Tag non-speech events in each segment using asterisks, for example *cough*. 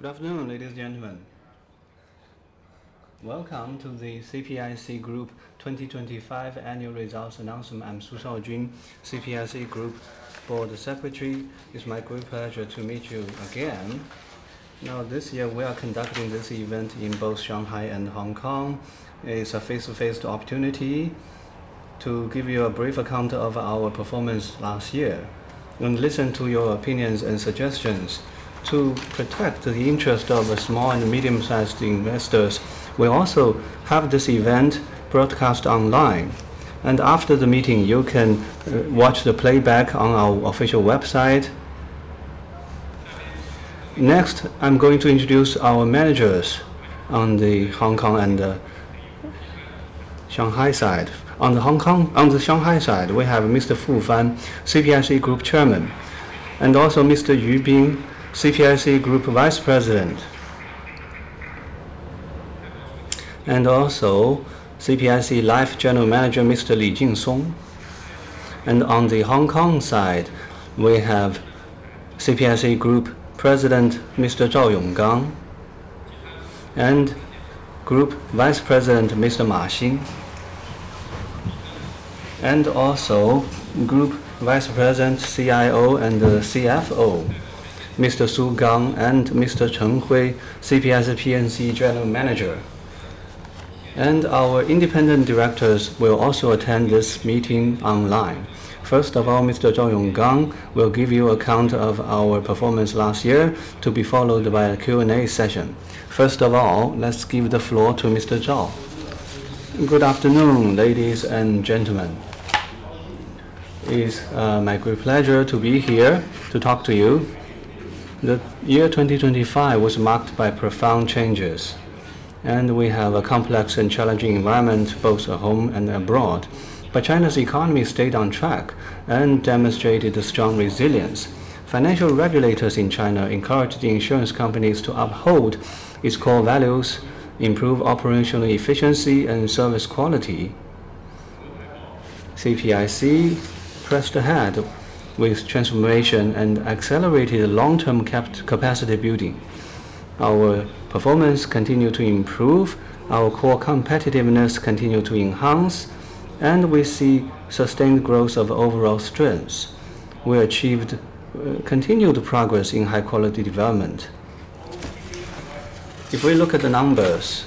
Good afternoon, ladies and gentlemen. Welcome to the CPIC Group 2025 Annual Results Announcement. I'm Su Shaojun, CPIC Group Board Secretary. It's my great pleasure to meet you again. Now this year we are conducting this event in both Shanghai and Hong Kong. It's a face-to-face opportunity to give you a brief account of our performance last year and listen to your opinions and suggestions. To protect the interest of small and medium-sized investors, we also have this event broadcast online. After the meeting, you can watch the playback on our official website. Next, I'm going to introduce our managers on the Hong Kong and Shanghai side. On the Shanghai side, we have Mr. Fu Fan, CPIC Group Chairman, and also Mr. Yu Bin, CPIC Group Vice President. Also CPIC Life General Manager, Mr. Li Jinsong. On the Hong Kong side, we have CPIC Group President, Mr. Zhao Yonggang, and Group Vice President, Mr. Ma Xin. Also Group Vice President, CIO and CFO, Mr. Su Gang and Mr. Chen Hui, CPIC P&C General Manager. Our independent directors will also attend this meeting online. First of all, Mr. Zhao Yonggang will give you an account of our performance last year, to be followed by a Q&A session. First of all, let's give the floor to Mr. Zhao. Good afternoon, ladies and gentlemen. It's my great pleasure to be here to talk to you. The year 2025 was marked by profound changes, and we have a complex and challenging environment both at home and abroad. China's economy stayed on track and demonstrated a strong resilience. Financial regulators in China encouraged the insurance companies to uphold its core values, improve operational efficiency and service quality. CPIC pressed ahead with transformation and accelerated long-term capacity building. Our performance continued to improve, our core competitiveness continued to enhance, and we see sustained growth of overall strengths. We achieved continued progress in high-quality development. If we look at the numbers,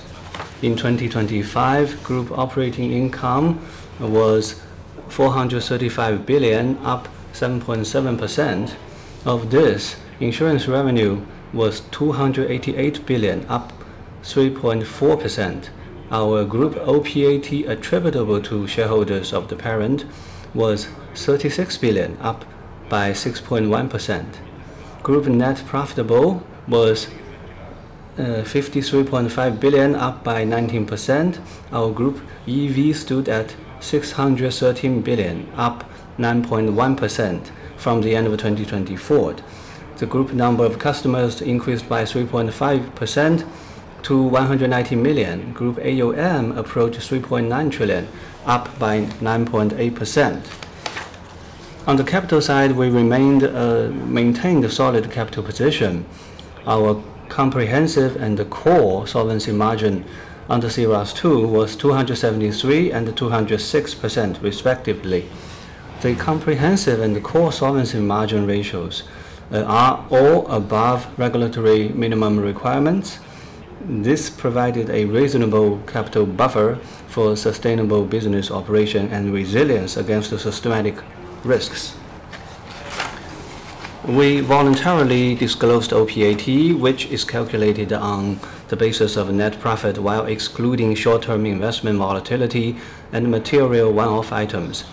in 2025, group operating income was 435 billion, up 7.7%. Of this, insurance revenue was 288 billion, up 3.4%. Our group OPAT attributable to shareholders of the parent was 36 billion, up by 6.1%. Group net profit was 53.5 billion, up by 19%. Our group EV stood at 613 billion, up 9.1% from the end of 2024. The group number of customers increased by 3.5% to 190 million. Group AUM approached 3.9 trillion, up by 9.8%. On the capital side, we maintained a solid capital position. Our comprehensive and core solvency margin under C-ROSS II was 273% and 206% respectively. The comprehensive and the core solvency margin ratios are all above regulatory minimum requirements. This provided a reasonable capital buffer for sustainable business operation and resilience against the systemic risks. We voluntarily disclosed OPAT, which is calculated on the basis of net profit while excluding short-term investment volatility and material one-off items.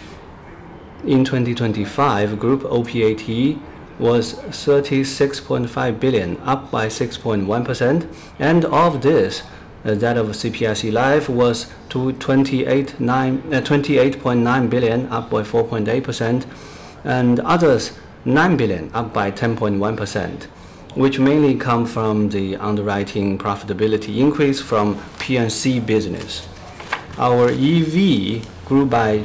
In 2025, group OPAT was 36.5 billion, up by 6.1%, and of this, that of CPIC Life was 28.9 billion, up by 4.8%, and others 9 billion, up by 10.1%, which mainly come from the underwriting profitability increase from P&C business. Our EV grew by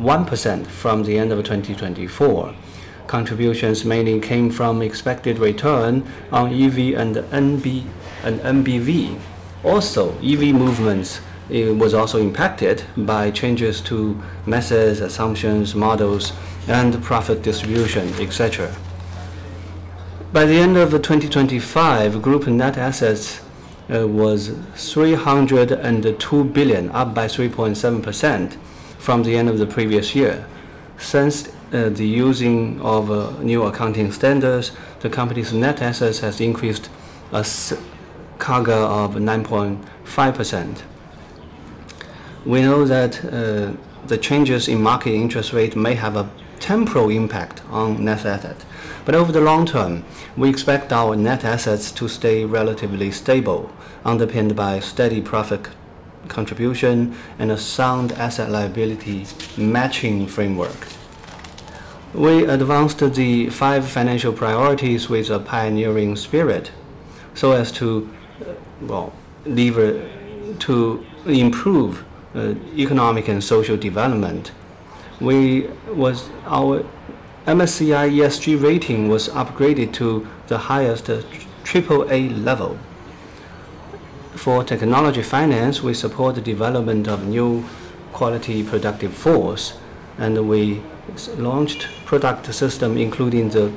9.1% from the end of 2024. Contributions mainly came from expected return on EV and NB, and NBV. Also, EV movements was also impacted by changes to methods, assumptions, models and profit distribution, et cetera. By the end of 2025, group net assets was 302 billion, up by 3.7% from the end of the previous year. Since the using of new accounting standards, the company's net assets has increased a CAGR of 9.5%. We know that the changes in market interest rate may have a temporal impact on net asset. But over the long term, we expect our net assets to stay relatively stable, underpinned by steady profit contribution and a sound asset liability matching framework. We advanced the five financial priorities with a pioneering spirit so as to to improve economic and social development. Our MSCI ESG rating was upgraded to the highest triple A level. For technology finance, we support the development of new quality productive force, and we launched product system including the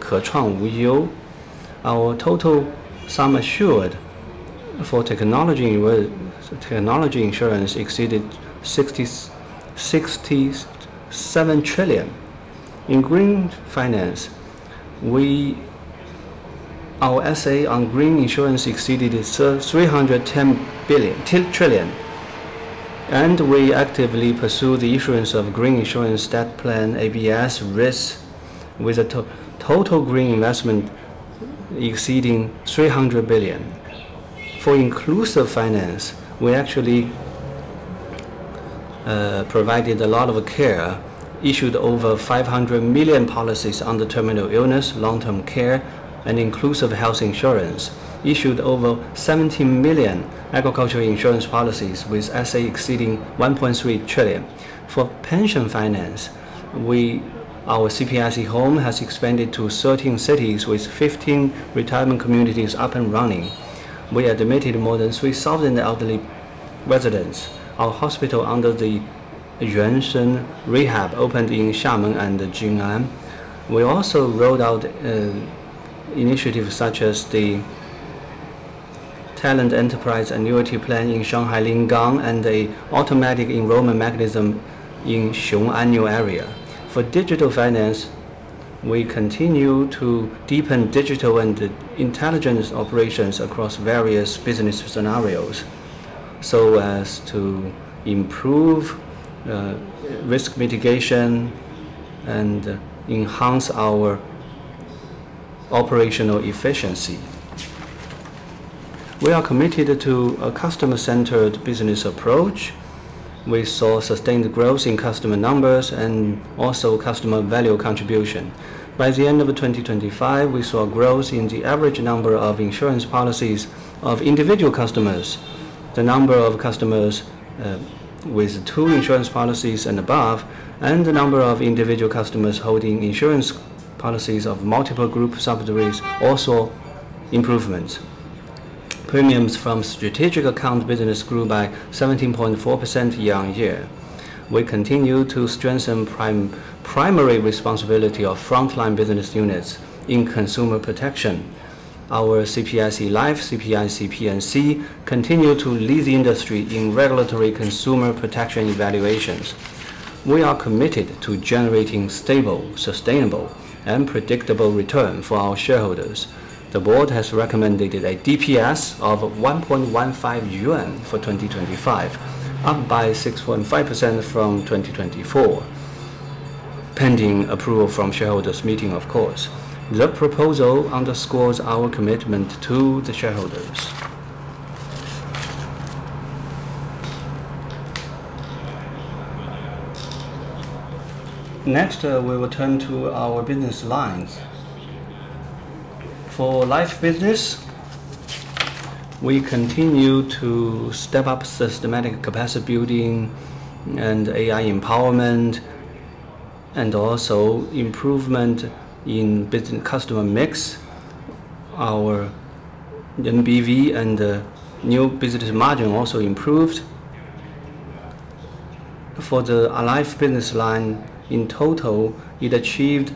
Next, we will turn to our business lines. For life business, we continue to step up systematic capacity building and AI empowerment, and also improvement in B-customer mix. Our MBV and new business margin also improved. For the life business line in total, it achieved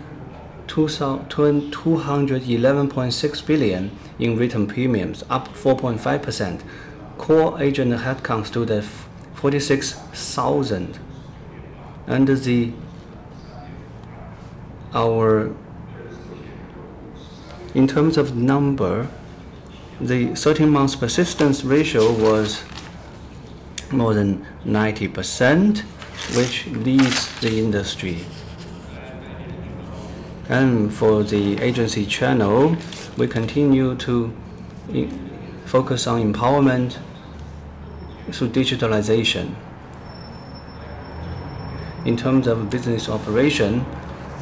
211.6 billion in written premiums, up 4.5%. Core agent headcounts stood at 46,000. In terms of number, the 13-month persistence ratio was more than 90%, which leads the industry. For the agency channel, we continue to focus on empowerment through digitalization. In terms of business operation,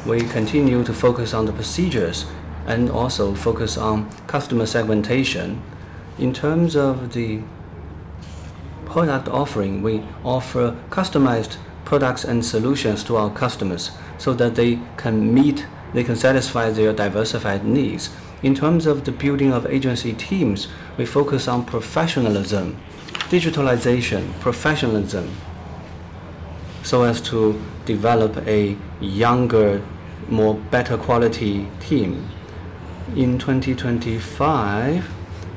we continue to focus on the procedures and also focus on customer segmentation. In terms of the product offering, we offer customized products and solutions to our customers so that they can meet, they can satisfy their diversified needs. In terms of the building of agency teams, we focus on professionalism, digitalization, professionalism, so as to develop a younger, more better quality team. In 2025,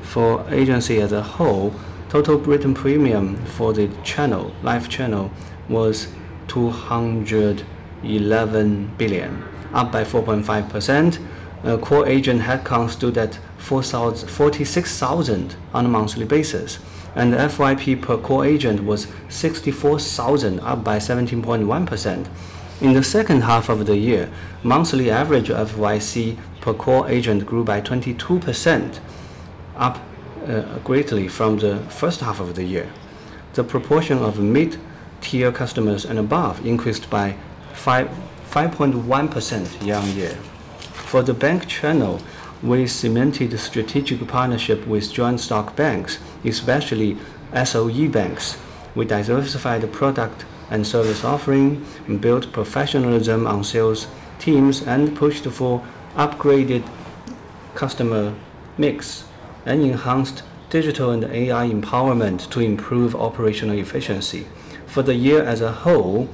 for agency as a whole, total written premium for the channel, life channel was 211 billion, up by 4.5%. Core agent headcount stood at 46,000 on a monthly basis, and FYP per core agent was 64,000, up by 17.1%. In the second half of the year, monthly average of YC per core agent grew by 22%, up greatly from the first half of the year. The proportion of mid-tier customers and above increased by 5.1% year-on-year. For the bank channel, we cemented a strategic partnership with joint stock banks, especially SOE banks. We diversified the product and service offering and built professionalism on sales teams and pushed for upgraded customer mix and enhanced digital and AI empowerment to improve operational efficiency. For the year as a whole,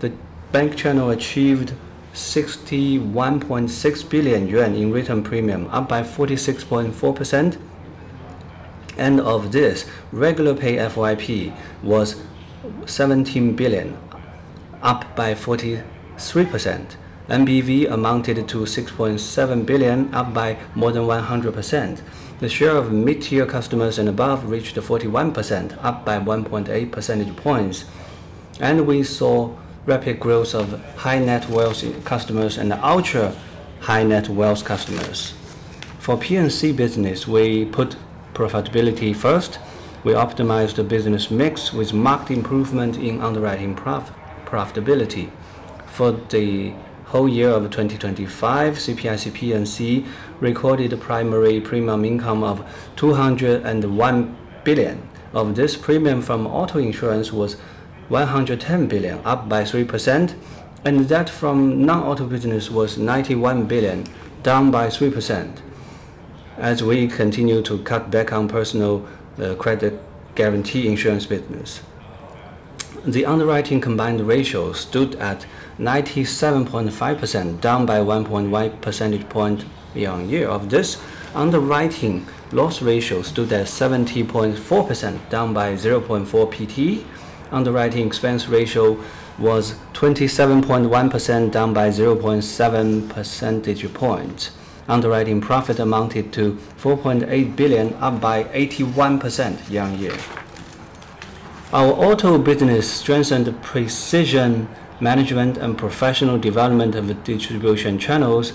the bank channel achieved 61.6 billion yuan in written premium, up by 46.4%. Of this, regular pay FYP was 17 billion, up by 43%. MBV amounted to 6.7 billion, up by more than 100%. The share of mid-tier customers and above reached 41%, up by 1.8 percentage points. We saw rapid growth of high net wealth customers and ultra high net wealth customers. For P&C business, we put profitability first. We optimized the business mix with marked improvement in underwriting profitability. For the whole year of 2025, CPIC P&C recorded a primary premium income of 201 billion. Of this premium from auto insurance was 110 billion, up by 3%, and that from non-auto business was 91 billion, down by 3%, as we continue to cut back on personal credit guarantee insurance business. The underwriting combined ratio stood at 97.5%, down by 1.1 percentage points year-on-year. Of this, underwriting loss ratio stood at 70.4%, down by 0.4 percentage points. Underwriting expense ratio was 27.1%, down by 0.7 percentage points. Underwriting profit amounted to 4.8 billion, up by 81% year-on-year. Our auto business strengthened precision management and professional development of the distribution channels.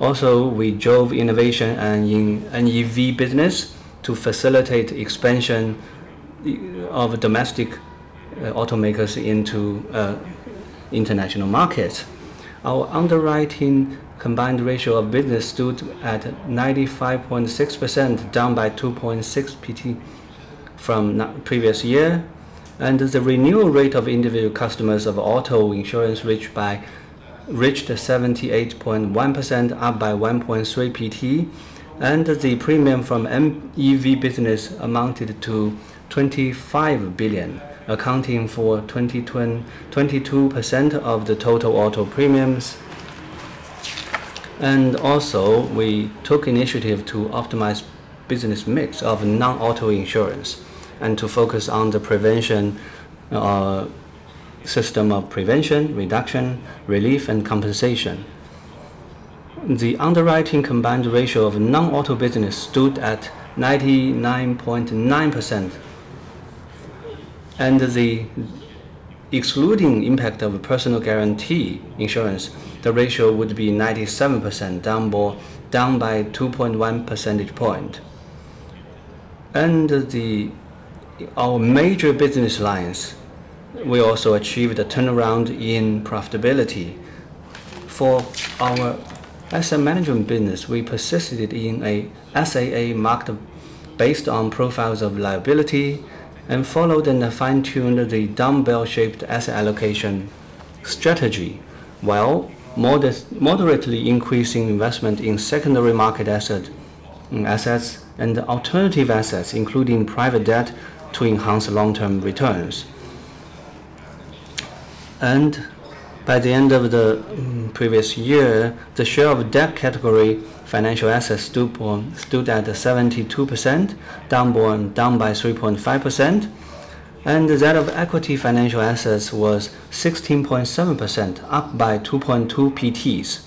We drove innovation in NEV business to facilitate expansion of domestic automakers into international markets. Our underwriting combined ratio of business stood at 95.6%, down by 2.6 percentage points from previous year. The renewal rate of individual customers of auto insurance reached 78.1%, up by 1.3 percentage points. The premium from NEV business amounted to 25 billion, accounting for 22% of the total auto premiums. We took initiative to optimize business mix of non-auto insurance and to focus on the system of prevention, reduction, relief, and compensation. The underwriting combined ratio of non-auto business stood at 99.9%. Excluding impact of personal guarantee insurance, the ratio would be 97%, down by 2.1 percentage points. Our major business lines, we also achieved a turnaround in profitability. For our asset management business, we persisted in a SAA market based on profiles of liability and followed and fine-tuned the dumbbell-shaped asset allocation strategy, while moderately increasing investment in secondary market assets and alternative assets, including private debt, to enhance long-term returns. By the end of the previous year, the share of debt category financial assets stood at 72%, down by 3.5%. That of equity financial assets was 16.7%, up by 2.2 PTs.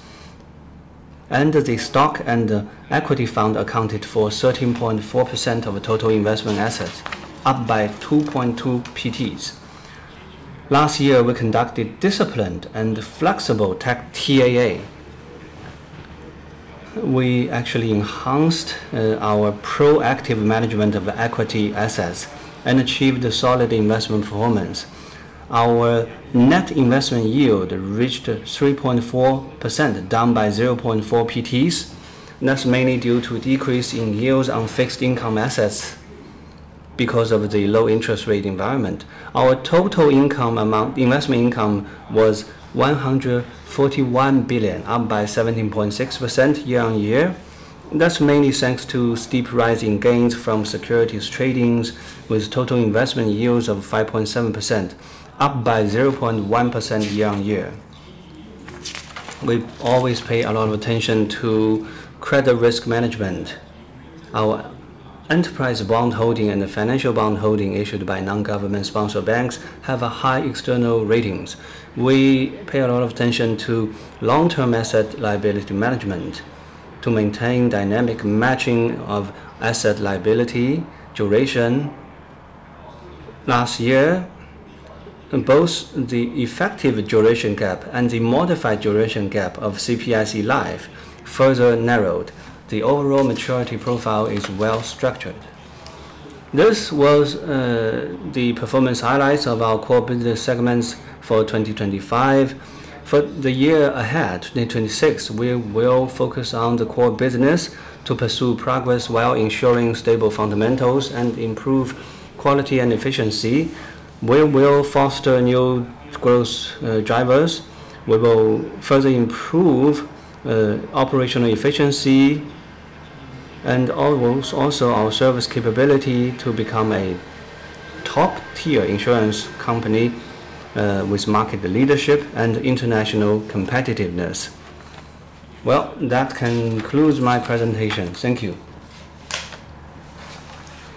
The stock and equity fund accounted for 13.4% of total investment assets, up by 2.2 PTs. Last year, we conducted disciplined and flexible TAA. We actually enhanced our proactive management of equity assets and achieved a solid investment performance. Our net investment yield reached 3.4%, down by 0.4 percentage points. That's mainly due to a decrease in yields on fixed income assets because of the low interest rate environment. Our investment income was 141 billion, up by 17.6% year-on-year. That's mainly thanks to steep rise in gains from securities trading with total investment yields of 5.7%, up by 0.1% year-on-year. We always pay a lot of attention to credit risk management. Our enterprise bond holdings and the financial bond holdings issued by non-government-sponsored banks have high external ratings. We pay a lot of attention to long-term asset liability management to maintain dynamic matching of asset liability duration. Last year, both the effective duration gap and the modified duration gap of CPIC Life further narrowed. The overall maturity profile is well-structured. This was the performance highlights of our core business segments for 2025. For the year ahead, 2026, we will focus on the core business to pursue progress while ensuring stable fundamentals and improve quality and efficiency. We will foster new growth drivers. We will further improve operational efficiency and also our service capability to become a top-tier insurance company with market leadership and international competitiveness. Well, that concludes my presentation. Thank you.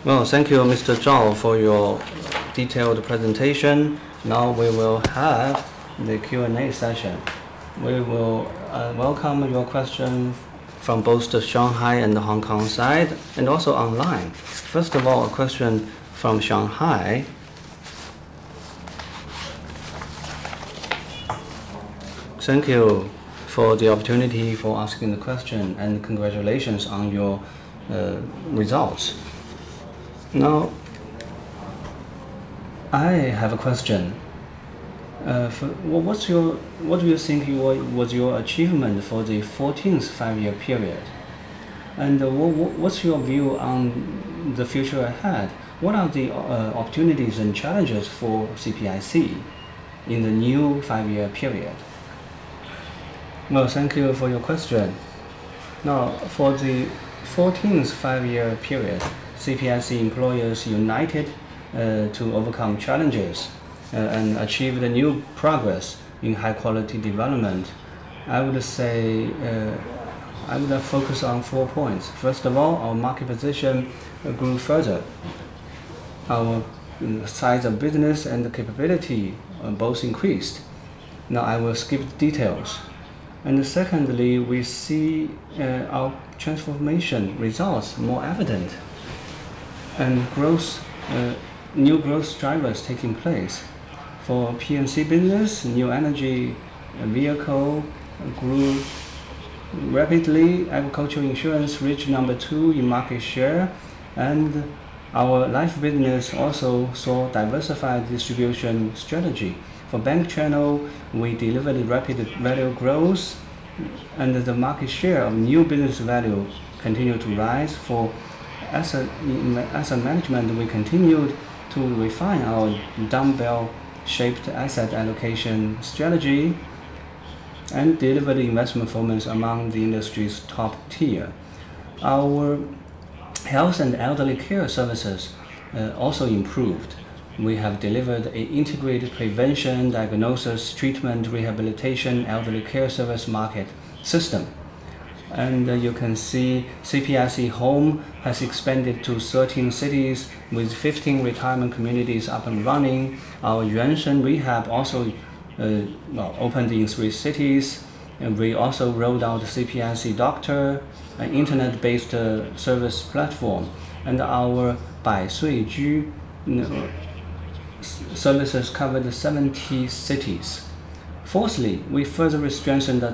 Well, thank you, Mr. Zhao, for your detailed presentation. Now we will have the Q&A session. We will welcome your question from both the Shanghai and the Hong Kong side, and also online. First of all, a question from Shanghai. Thank you for the opportunity for asking the question, and congratulations on your results. Now, I have a question. What do you think was your achievement for the 14th five-year period? And what's your view on the future ahead? What are the opportunities and challenges for CPIC in the 15th five-year period? Well, thank you for your question. Now, for the 14th five-year period, CPIC employees united to overcome challenges and achieve new progress in high-quality development. I would say, I'm gonna focus on four points. First of all, our market position grew further. Our size of business and the capability both increased. Now I will skip details. Secondly, we see our transformation results more evident and growth new growth drivers taking place. For P&C business, new energy vehicle grew rapidly. Agricultural insurance reached number two in market share. Our life business also saw diversified distribution strategy. For bank channel, we delivered rapid value growth and the market share of new business value continued to rise. For asset management, we continued to refine our dumbbell-shaped asset allocation strategy and deliver investment performance among the industry's top tier. Our health and elderly care services also improved. We have delivered an integrated prevention, diagnosis, treatment, rehabilitation, elderly care service market system. You can see CPIC Home has expanded to 13 cities with 15 retirement communities up and running. Our Yuanshen Rehab also opened in three cities. We also rolled out CPIC Doctor, an internet-based service platform. Our Bai Sui Ju services cover the 70 cities. Fourthly, we further strengthened the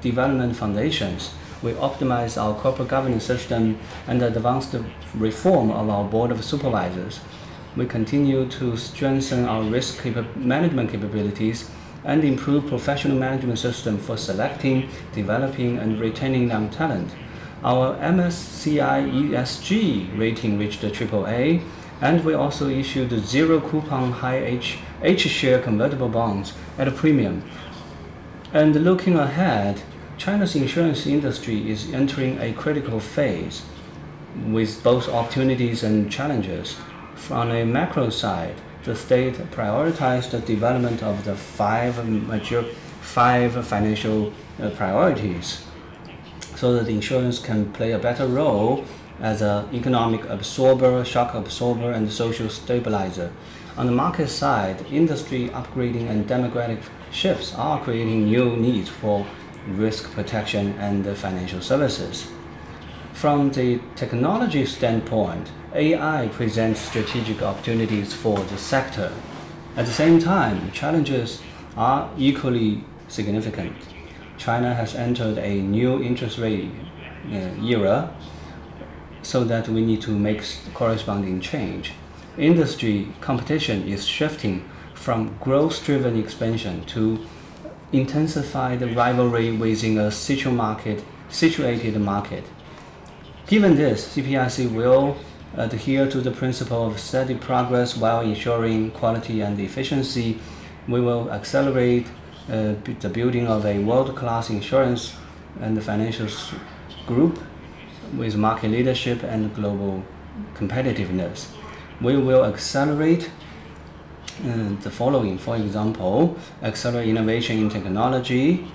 development foundations. We optimize our corporate governance system and advanced the reform of our board of supervisors. We continue to strengthen our risk management capabilities and improve professional management system for selecting, developing, and retaining young talent. Our MSCI ESG rating reached AAA, and we also issued zero-coupon, high-yield H-share convertible bonds at a premium. Looking ahead, China's insurance industry is entering a critical phase with both opportunities and challenges. From a macro side, the state prioritized the development of the five major financial priorities so that insurance can play a better role as an economic absorber, shock absorber, and social stabilizer. On the market side, industry upgrading and demographic shifts are creating new needs for risk protection and financial services. From the technology standpoint, AI presents strategic opportunities for the sector. At the same time, challenges are equally significant. China has entered a new interest rate era, so that we need to make corresponding change. Industry competition is shifting from growth-driven expansion to intensified rivalry within a situated market. Given this, CPIC will adhere to the principle of steady progress while ensuring quality and efficiency. We will accelerate the building of a world-class insurance and financial services group with market leadership and global competitiveness. We will accelerate the following, for example, accelerate innovation in technology.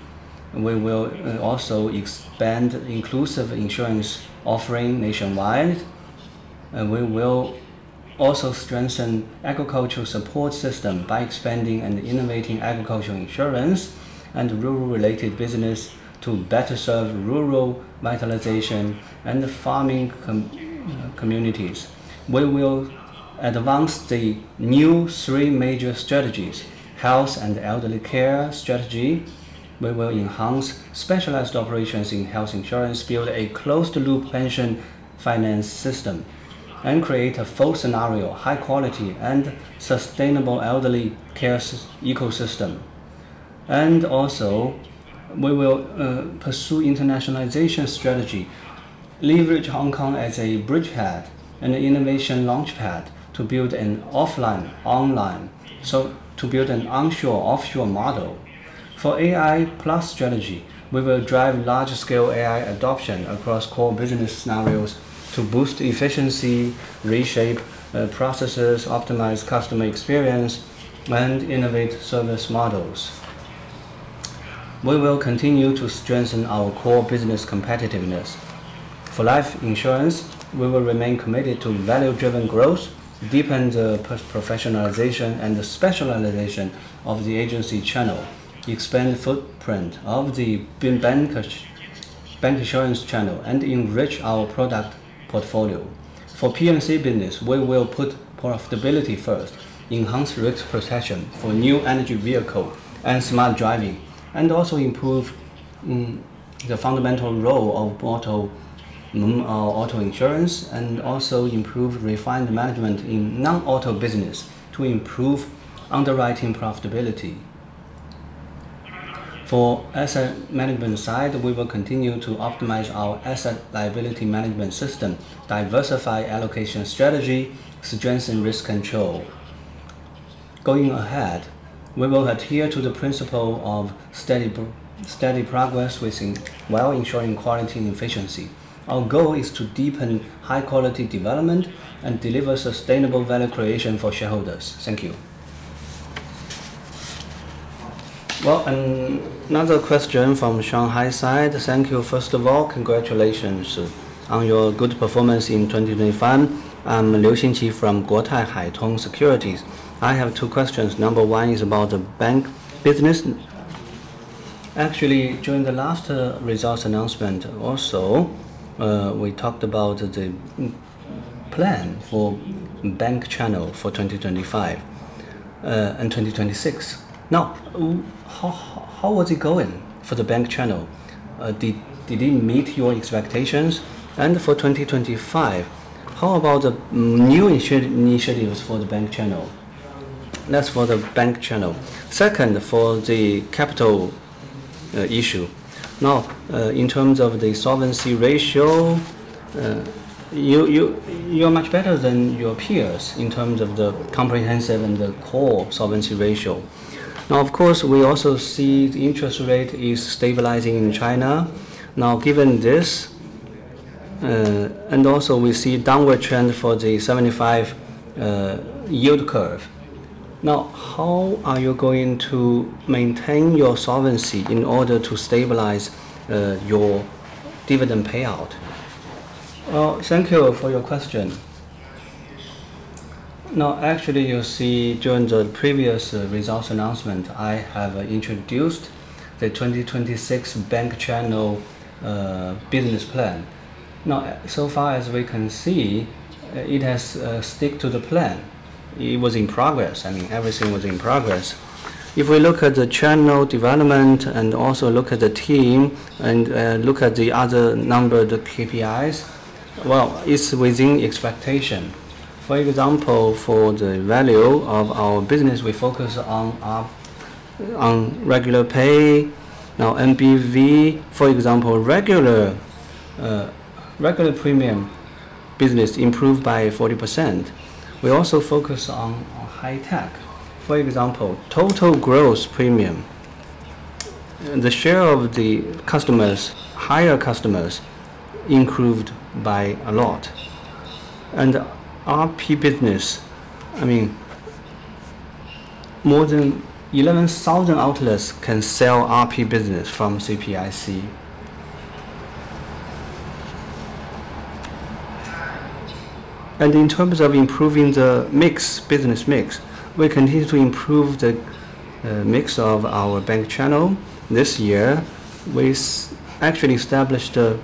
We will also expand inclusive insurance offering nationwide. We will also strengthen agricultural support system by expanding and innovating agricultural insurance and rural-related business to better serve rural revitalization and farming communities. We will advance the new three major strategies. Health and elderly care strategy. We will enhance specialized operations in health insurance, build a closed-loop pension finance system, and create a full scenario, high quality and sustainable elderly care ecosystem. We will pursue internationalization strategy, leverage Hong Kong as a bridgehead and an innovation launchpad to build an onshore, offshore model. For AI+ strategy, we will drive large-scale AI adoption across core business scenarios to boost efficiency, reshape processes, optimize customer experience, and innovate service models. We will continue to strengthen our core business competitiveness. For life insurance, we will remain committed to value-driven growth, deepen the professionalization and the specialization of the agency channel, expand the footprint of the bank insurance channel, and enrich our product portfolio. For P&C business, we will put profitability first, enhance risk protection for new energy vehicle and smart driving, and also improve the fundamental role of auto insurance, and also improve refined management in non-auto business to improve underwriting profitability. For asset management side, we will continue to optimize our asset liability management system, diversify allocation strategy, strengthen risk control. Going ahead, we will adhere to the principle of steady progress while ensuring quality and efficiency. Our goal is to deepen high-quality development and deliver sustainable value creation for shareholders. Thank you. Well, another question from Shanghai side. Thank you first of all. Congratulations on your good performance in 2025. I'm Liu Xinyu from Guotai Junan Securities. I have two questions. Number one is about the bank business. Actually, during the last results announcement also, we talked about the plan for bank channel for 2025 and 2026. Now, how was it going for the bank channel? Did it meet your expectations? For 2025, how about the new initiatives for the bank channel? That's for the bank channel. Second, for the capital issue. Now, in terms of the solvency ratio, you're much better than your peers in terms of the comprehensive and the core solvency ratio. Now, of course, we also see the interest rate is stabilizing in China. Now, given this, and also we see downward trend for the 75 yield curve. Now, how are you going to maintain your solvency in order to stabilize your dividend payout? Well, thank you for your question. Now, actually, you see during the previous results announcement, I have introduced the 2026 bank channel business plan. Now, so far as we can see, it has stuck to the plan. It was in progress. I mean, everything was in progress. If we look at the channel development and also look at the team and look at the other number, the KPIs, well, it's within expectation. For example, for the value of our business, we focus on regular pay, non-MPV. For example, regular premium business improved by 40%. We also focus on high tech. For example, total gross premium. The share of the customers, higher customers, improved by a lot. RP business, I mean, more than 11,000 outlets can sell RP business from CPIC. In terms of improving the mix, business mix, we continue to improve the mix of our bank channel. This year, we actually established a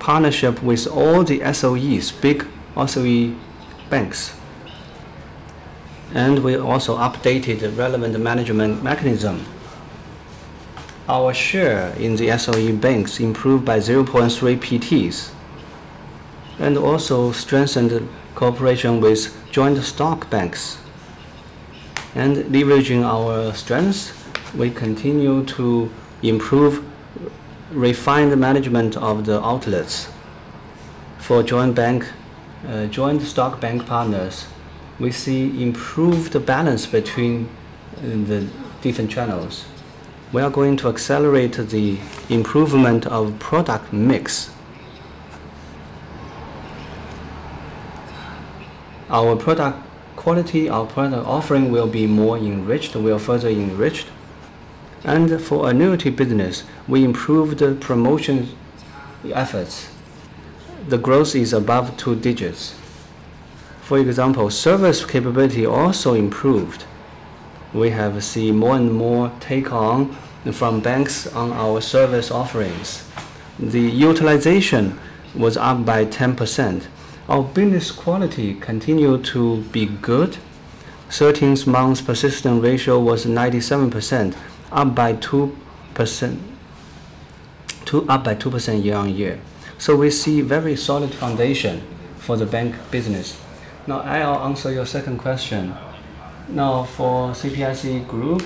partnership with all the SOEs, big SOE banks. We also updated the relevant management mechanism. Our share in the SOE banks improved by 0.3 PTs. We also strengthened cooperation with joint stock banks. Leveraging our strengths, we continue to improve, refine the management of the outlets. For joint bank, joint stock bank partners, we see improved balance between the different channels. We are going to accelerate the improvement of product mix. Our product quality, our product offering will be more enriched, will further enriched. For annuity business, we improved promotion efforts. The growth is above two digits. For example, service capability also improved. We have seen more and more take on from banks on our service offerings. The utilization was up by 10%. Our business quality continued to be good. 13 months persistent ratio was 97%, up by 2% year on year. We see very solid foundation for the bank business. I'll answer your second question. For CPIC Group,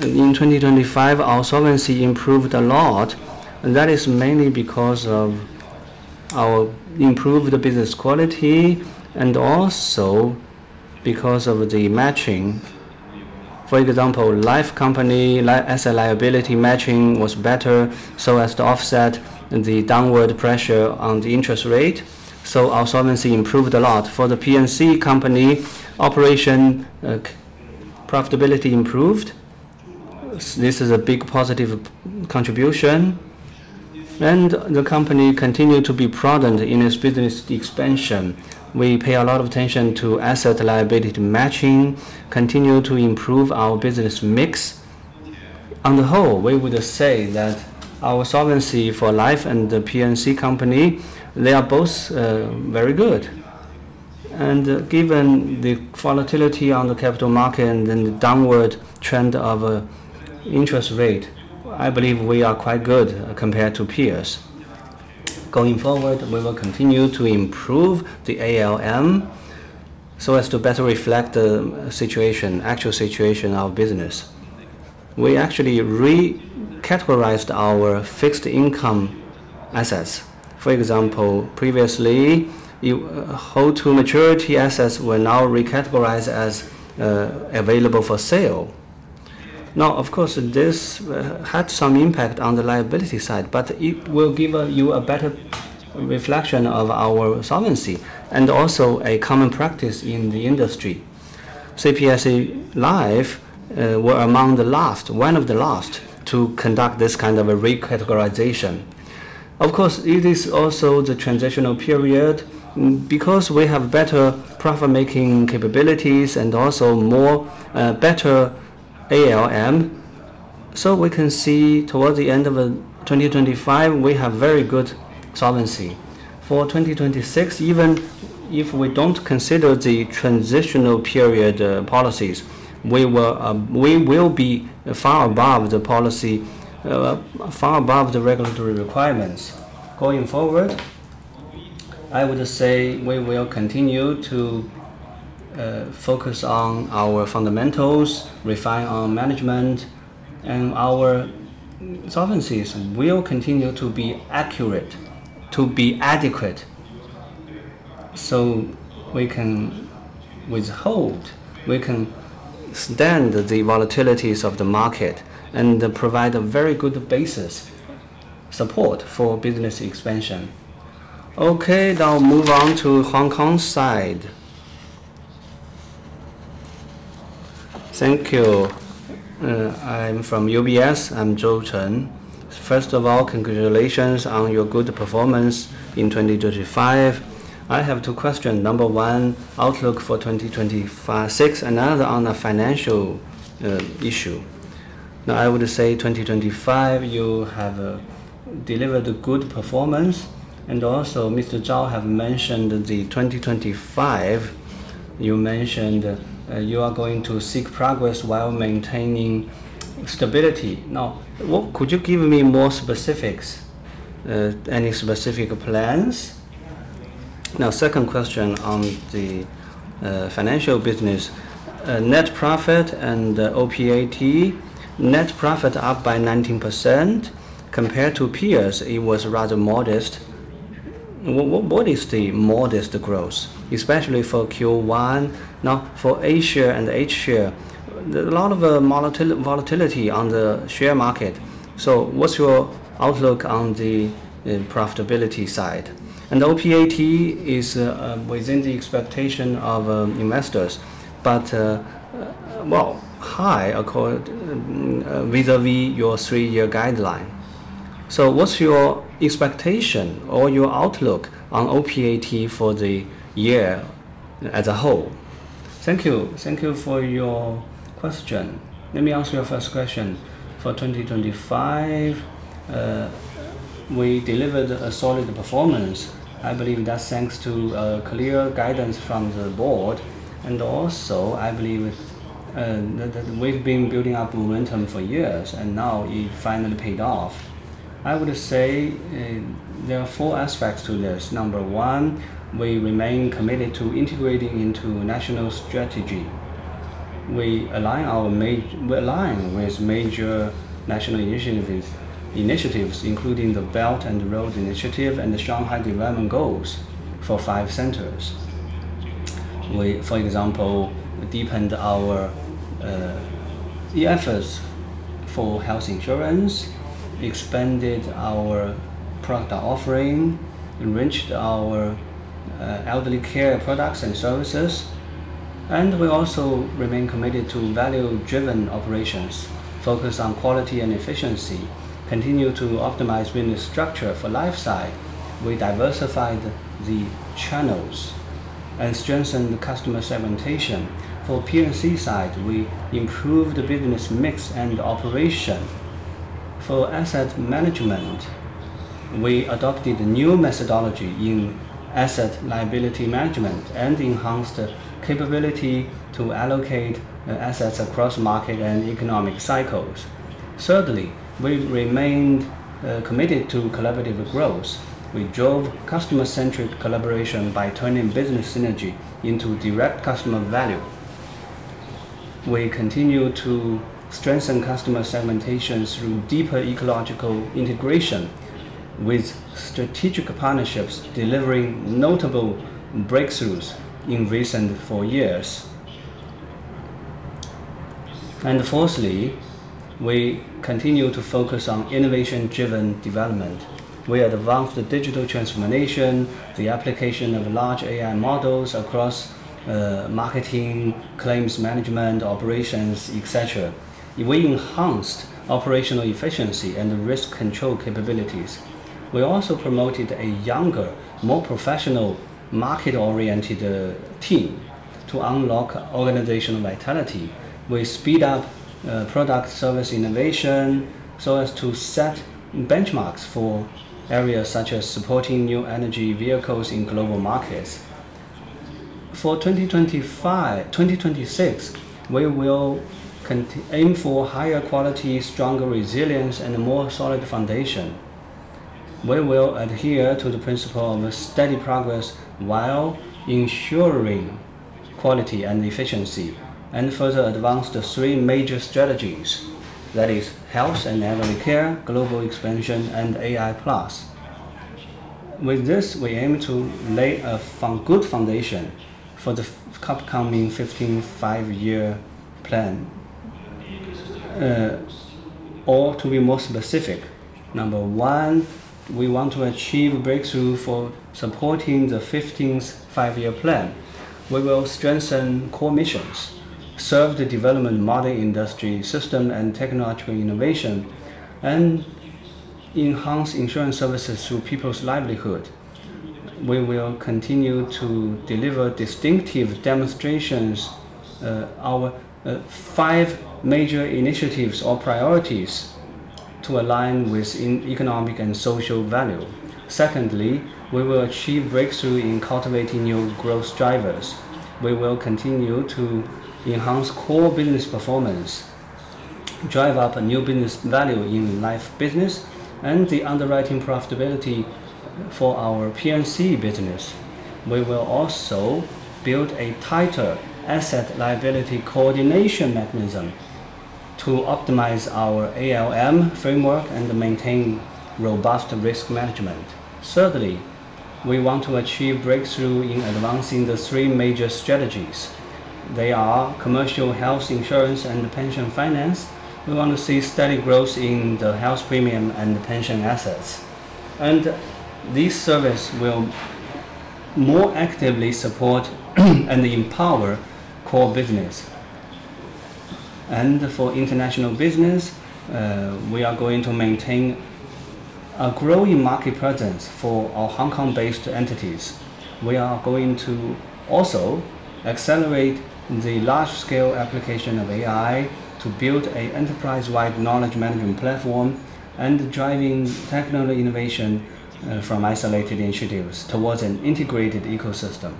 in 2025, our solvency improved a lot. That is mainly because of our improved business quality and also because of the matching. For example, life company asset liability matching was better so as to offset the downward pressure on the interest rate. Our solvency improved a lot. For the P&C company, operational profitability improved. This is a big positive contribution. The company continued to be prudent in its business expansion. We pay a lot of attention to asset liability matching, continue to improve our business mix. On the whole, we would say that our solvency for Life and the P&C company, they are both very good. Given the volatility on the capital market and the downward trend of interest rate, I believe we are quite good compared to peers. Going forward, we will continue to improve the ALM so as to better reflect the situation, actual situation of business. We actually re-categorized our fixed income assets. For example, previously, held-to-maturity assets were now recategorized as available for sale. Now, of course, this had some impact on the liability side, but it will give you a better reflection of our solvency and also a common practice in the industry. CPIC Life were among the last, one of the last to conduct this kind of a recategorization. Of course, it is also the transitional period. We have better profit-making capabilities and also more better ALM. We can see towards the end of 2025, we have very good solvency. For 2026, even if we don't consider the transitional period policies, we will be far above the policy, far above the regulatory requirements. Going forward, I would say we will continue to focus on our fundamentals, refine our management, and our solvency will continue to be accurate, to be adequate. We can stand the volatilities of the market and provide a very good basis support for business expansion. Okay. Now move on to Hong Kong side. Thank you. I'm from UBS. I'm Joe Chen. First of all, congratulations on your good performance in 2025. I have two questions. Number one, outlook for 2026. Another on a financial issue. Now, I would say 2025, you have delivered good performance. Also, Mr. Zhao have mentioned the 2025, you mentioned, you are going to seek progress while maintaining stability. Now, what could you give me more specifics? Any specific plans? Now, second question on the financial business. Net profit and OPAT. Net profit up by 19%. Compared to peers, it was rather modest. What is the modest growth, especially for Q1? Now, for A-share and H-share, there are a lot of volatility on the share market. What's your outlook on the profitability side? OPAT is within the expectation of investors, but well higher core vis-à-vis your three-year guideline. What's your expectation or your outlook on OPAT for the year as a whole? Thank you. Thank you for your question. Let me answer your first question. For 2025, we delivered a solid performance. I believe that's thanks to clear guidance from the board, and also, I believe that we've been building up momentum for years, and now it finally paid off. I would say there are four aspects to this. Number one, we remain committed to integrating into national strategy. We align with major national initiatives including the Belt and Road Initiative and the Shanghai five centers' development plan. We, for example, deepened our efforts for health insurance, expanded our product offering, enriched our elderly care products and services, and we also remain committed to value-driven operations, focused on quality and efficiency, continue to optimize business structure. For life side, we diversified the channels and strengthened the customer segmentation. For P&C side, we improved business mix and operation. For asset management, we adopted a new methodology in asset liability management and enhanced capability to allocate assets across market and economic cycles. Thirdly, we've remained committed to collaborative growth. We drove customer-centric collaboration by turning business synergy into direct customer value. We continue to strengthen customer segmentation through deeper ecological integration with strategic partnerships, delivering notable breakthroughs in recent four years. Fourthly, we continue to focus on innovation-driven development. We advanced digital transformation, the application of large AI models across marketing, claims management, operations, et cetera. We enhanced operational efficiency and risk control capabilities. We also promoted a younger, more professional, market-oriented team to unlock organizational vitality. We speed up product service innovation so as to set benchmarks for areas such as supporting new energy vehicles in global markets. For 2025-2026, we will aim for higher quality, stronger resilience, and a more solid foundation. We will adhere to the principle of steady progress while ensuring quality and efficiency, and further advance the three major strategies. That is health and elderly care, global expansion, and AI+. With this, we aim to lay a good foundation for the upcoming 15th Five-Year Plan. Or to be more specific, number one, we want to achieve breakthrough for supporting the 15th Five-Year Plan. We will strengthen core missions, serve the development model industry system and technological innovation, and enhance insurance services through people's livelihood. We will continue to deliver distinctive demonstrations, our five major initiatives or priorities to align with economic and social value. Secondly, we will achieve breakthrough in cultivating new growth drivers. We will continue to enhance core business performance, drive up new business value in life business, and the underwriting profitability for our P&C business. We will also build a tighter asset liability coordination mechanism to optimize our ALM framework and maintain robust risk management. Thirdly, we want to achieve breakthrough in advancing the three major strategies. They are commercial health insurance and pension finance. We want to see steady growth in the health premium and pension assets. This service will more actively support and empower core business. For international business, we are going to maintain a growing market presence for our Hong Kong-based entities. We are going to also accelerate the large-scale application of AI to build a enterprise-wide knowledge management platform and driving technical innovation, from isolated initiatives towards an integrated ecosystem.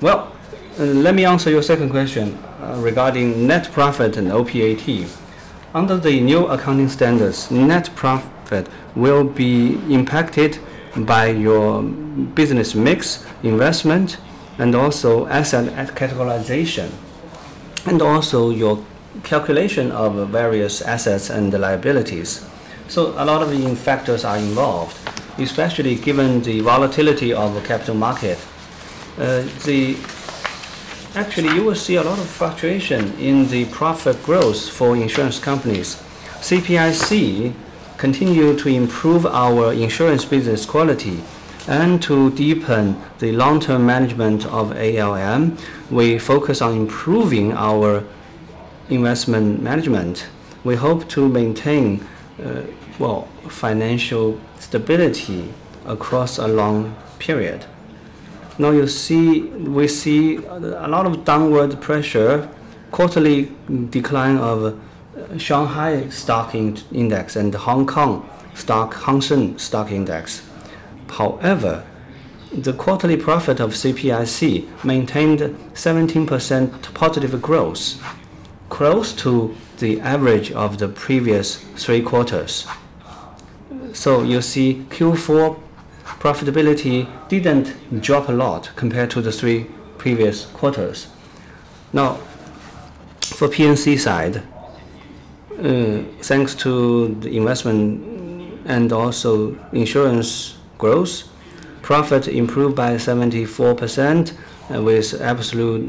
Well, let me answer your second question regarding net profit and OPAT. Under the new accounting standards, net profit will be impacted by your business mix, investment, and also asset categorization, and also your calculation of various assets and liabilities. A lot of factors are involved, especially given the volatility of the capital market. Actually you will see a lot of fluctuation in the profit growth for insurance companies. CPIC continue to improve our insurance business quality and to deepen the long-term management of ALM. We focus on improving our investment management. We hope to maintain, well, financial stability across a long period. We see a lot of downward pressure. Quarterly decline of Shanghai stock index and Hang Seng stock index. However, the quarterly profit of CPIC maintained 17% positive growth, close to the average of the previous three quarters. You see Q4 profitability didn't drop a lot compared to the three previous quarters. Now, for P&C side, thanks to the investment and also insurance growth, profit improved by 74%, with absolute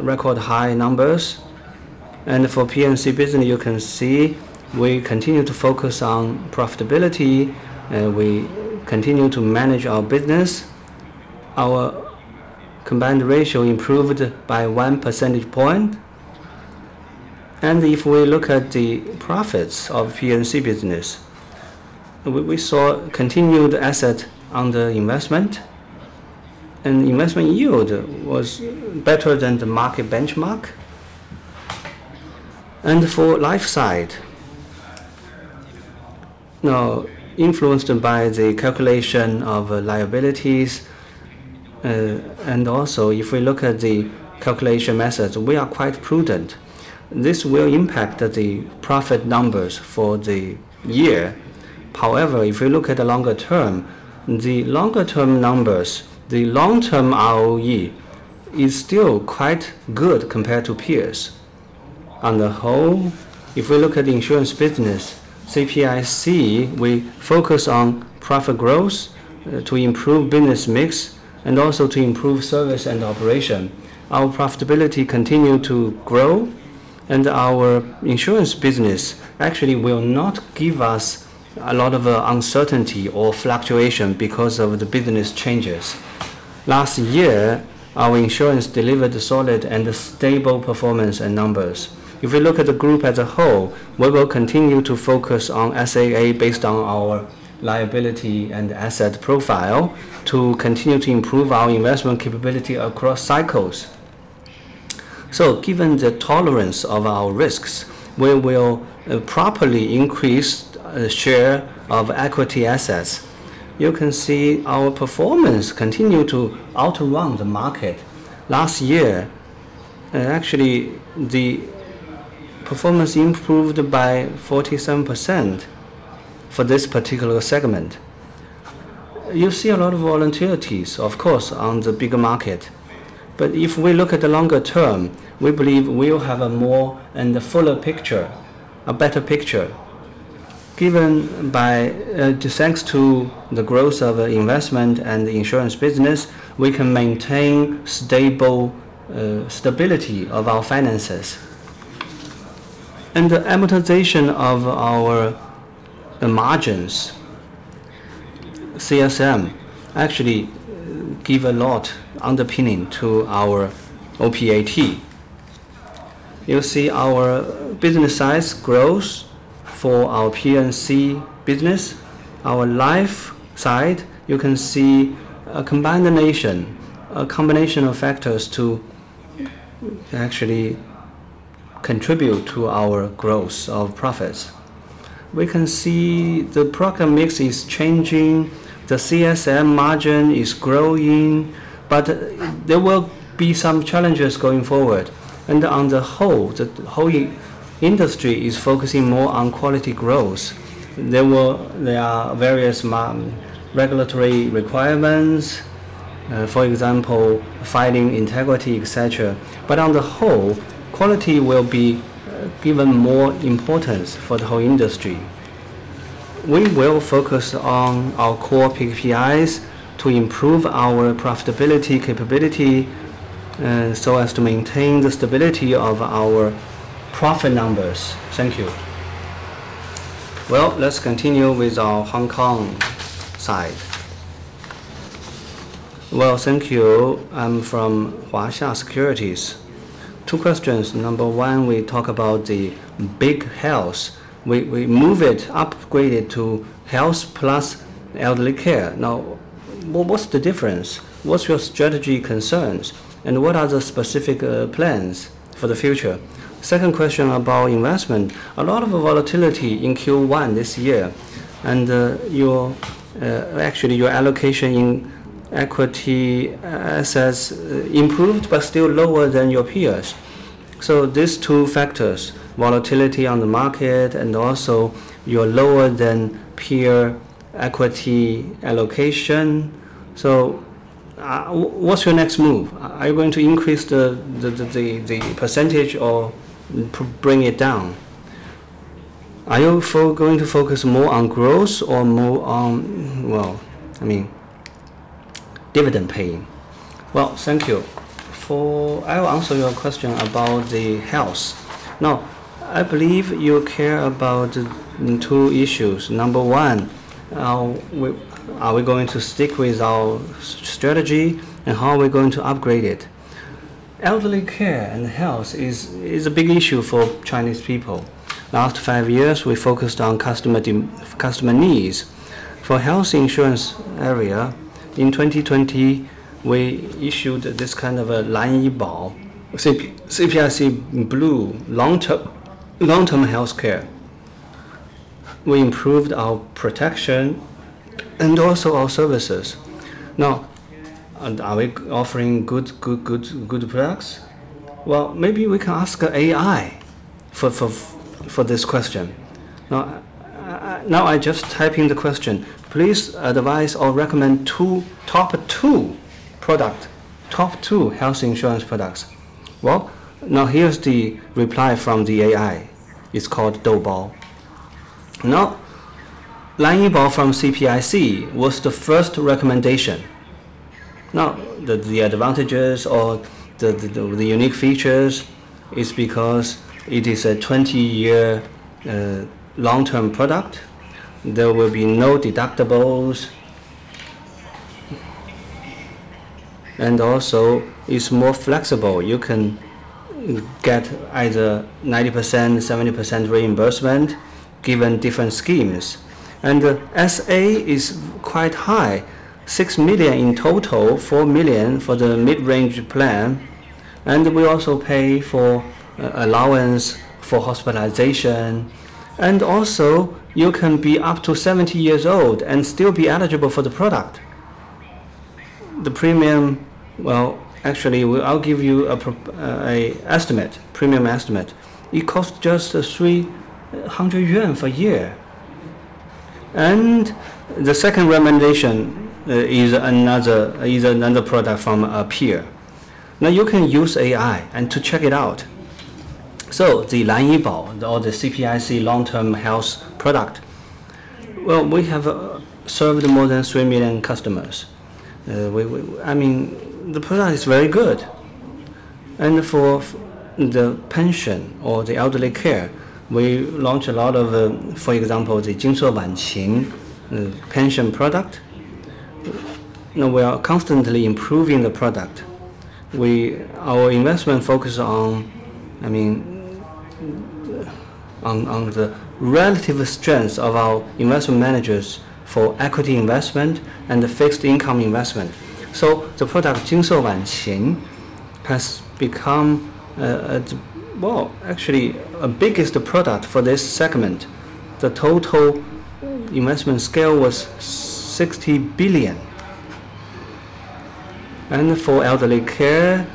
record high numbers. For P&C business, you can see we continue to focus on profitability, we continue to manage our business. Our combined ratio improved by 1 percentage point. If we look at the profits of P&C business, we saw continued assets under investment and investment yield was better than the market benchmark. For life side. Now, influenced by the calculation of liabilities, and also if we look at the calculation methods, we are quite prudent. This will impact the profit numbers for the year. However, if we look at the longer term numbers, the long-term ROE is still quite good compared to peers. On the whole, if we look at the insurance business, CPIC, we focus on profit growth to improve business mix and also to improve service and operation. Our profitability continue to grow and our insurance business actually will not give us a lot of uncertainty or fluctuation because of the business changes. Last year, our insurance delivered a solid and stable performance and numbers. If we look at the group as a whole, we will continue to focus on SAA based on our liability and asset profile to continue to improve our investment capability across cycles. Given the tolerance of our risks, we will properly increase share of equity assets. You can see our performance continue to outrun the market. Last year, actually, the performance improved by 47% for this particular segment. You see a lot of volatilities, of course, on the bigger market. If we look at the longer term, we believe we'll have a more and a fuller picture, a better picture. Thanks to the growth of investment and the insurance business, we can maintain stable stability of our finances. The amortization of our margins, CSM, actually give a lot underpinning to our OPAT. You'll see our business size grows for our P&C business. Our life side, you can see a combination of factors to actually contribute to our growth of profits. We can see the product mix is changing, the CSM margin is growing, but there will be some challenges going forward. On the whole, the whole industry is focusing more on quality growth. There are various regulatory requirements, for example, filing integrity, et cetera. On the whole, quality will be given more importance for the whole industry. We will focus on our core KPIs to improve our profitability capability, so as to maintain the stability of our profit numbers. Thank you. Well, let's continue with our Hong Kong side. Well, thank you. I'm from Huatai Securities. Two questions. Number one, we talk about the big health. We move it, upgrade it to health plus elderly care. Now, what's the difference? What's your strategic concerns? And what are the specific plans for the future? Second question about investment. A lot of volatility in Q1 this year, and actually your allocation in equity assets improved but still lower than your peers. So these two factors, volatility on the market and also you're lower than peer equity allocation. So what's your next move? Are you going to increase the percentage or bring it down? Are you going to focus more on growth or more on, well, I mean, dividend paying? Well, thank you. I will answer your question about the health. Now, I believe you care about two issues. Number one, are we going to stick with our strategy and how are we going to upgrade it? Elderly care and health is a big issue for Chinese people. Last five years, we focused on customer needs. For health insurance area, in 2020 we issued this kind of a Lan Yi Bao, CPIC Blue long-term healthcare. We improved our protection and also our services. Now, are we offering good products? Well, maybe we can ask AI for this question. Now, I just type in the question. Please advise or recommend top two health insurance products. Well, now here's the reply from the AI. It's called Doubao. Now, Lan Yi Bao from CPIC was the first recommendation. Now, the advantages or the unique features is because it is a 20-year long-term product. There will be no deductibles. It's more flexible. You can get either 90%, 70% reimbursement given different schemes. SA is quite high, 6 million in total, 4 million for the mid-range plan. We also pay for allowance for hospitalization. You can be up to 70 years old and still be eligible for the product. The premium. Well, actually, I'll give you a premium estimate. It costs just 300 yuan for a year. The second recommendation is another product from CPIC. Now you can use AI to check it out. The Lan Yi Bao or the CPIC long-term health product, well, we have served more than three million customers. I mean, the product is very good. For the pension or the elderly care, we launched a lot of, for example, the Jinshouanqing pension product. You know, we are constantly improving the product. Our investment focus on, I mean, on the relative strengths of our investment managers for equity investment and the fixed income investment. The product, Jinshouanqing, has become, well, actually our biggest product for this segment. The total investment scale was 60 billion. For elderly care,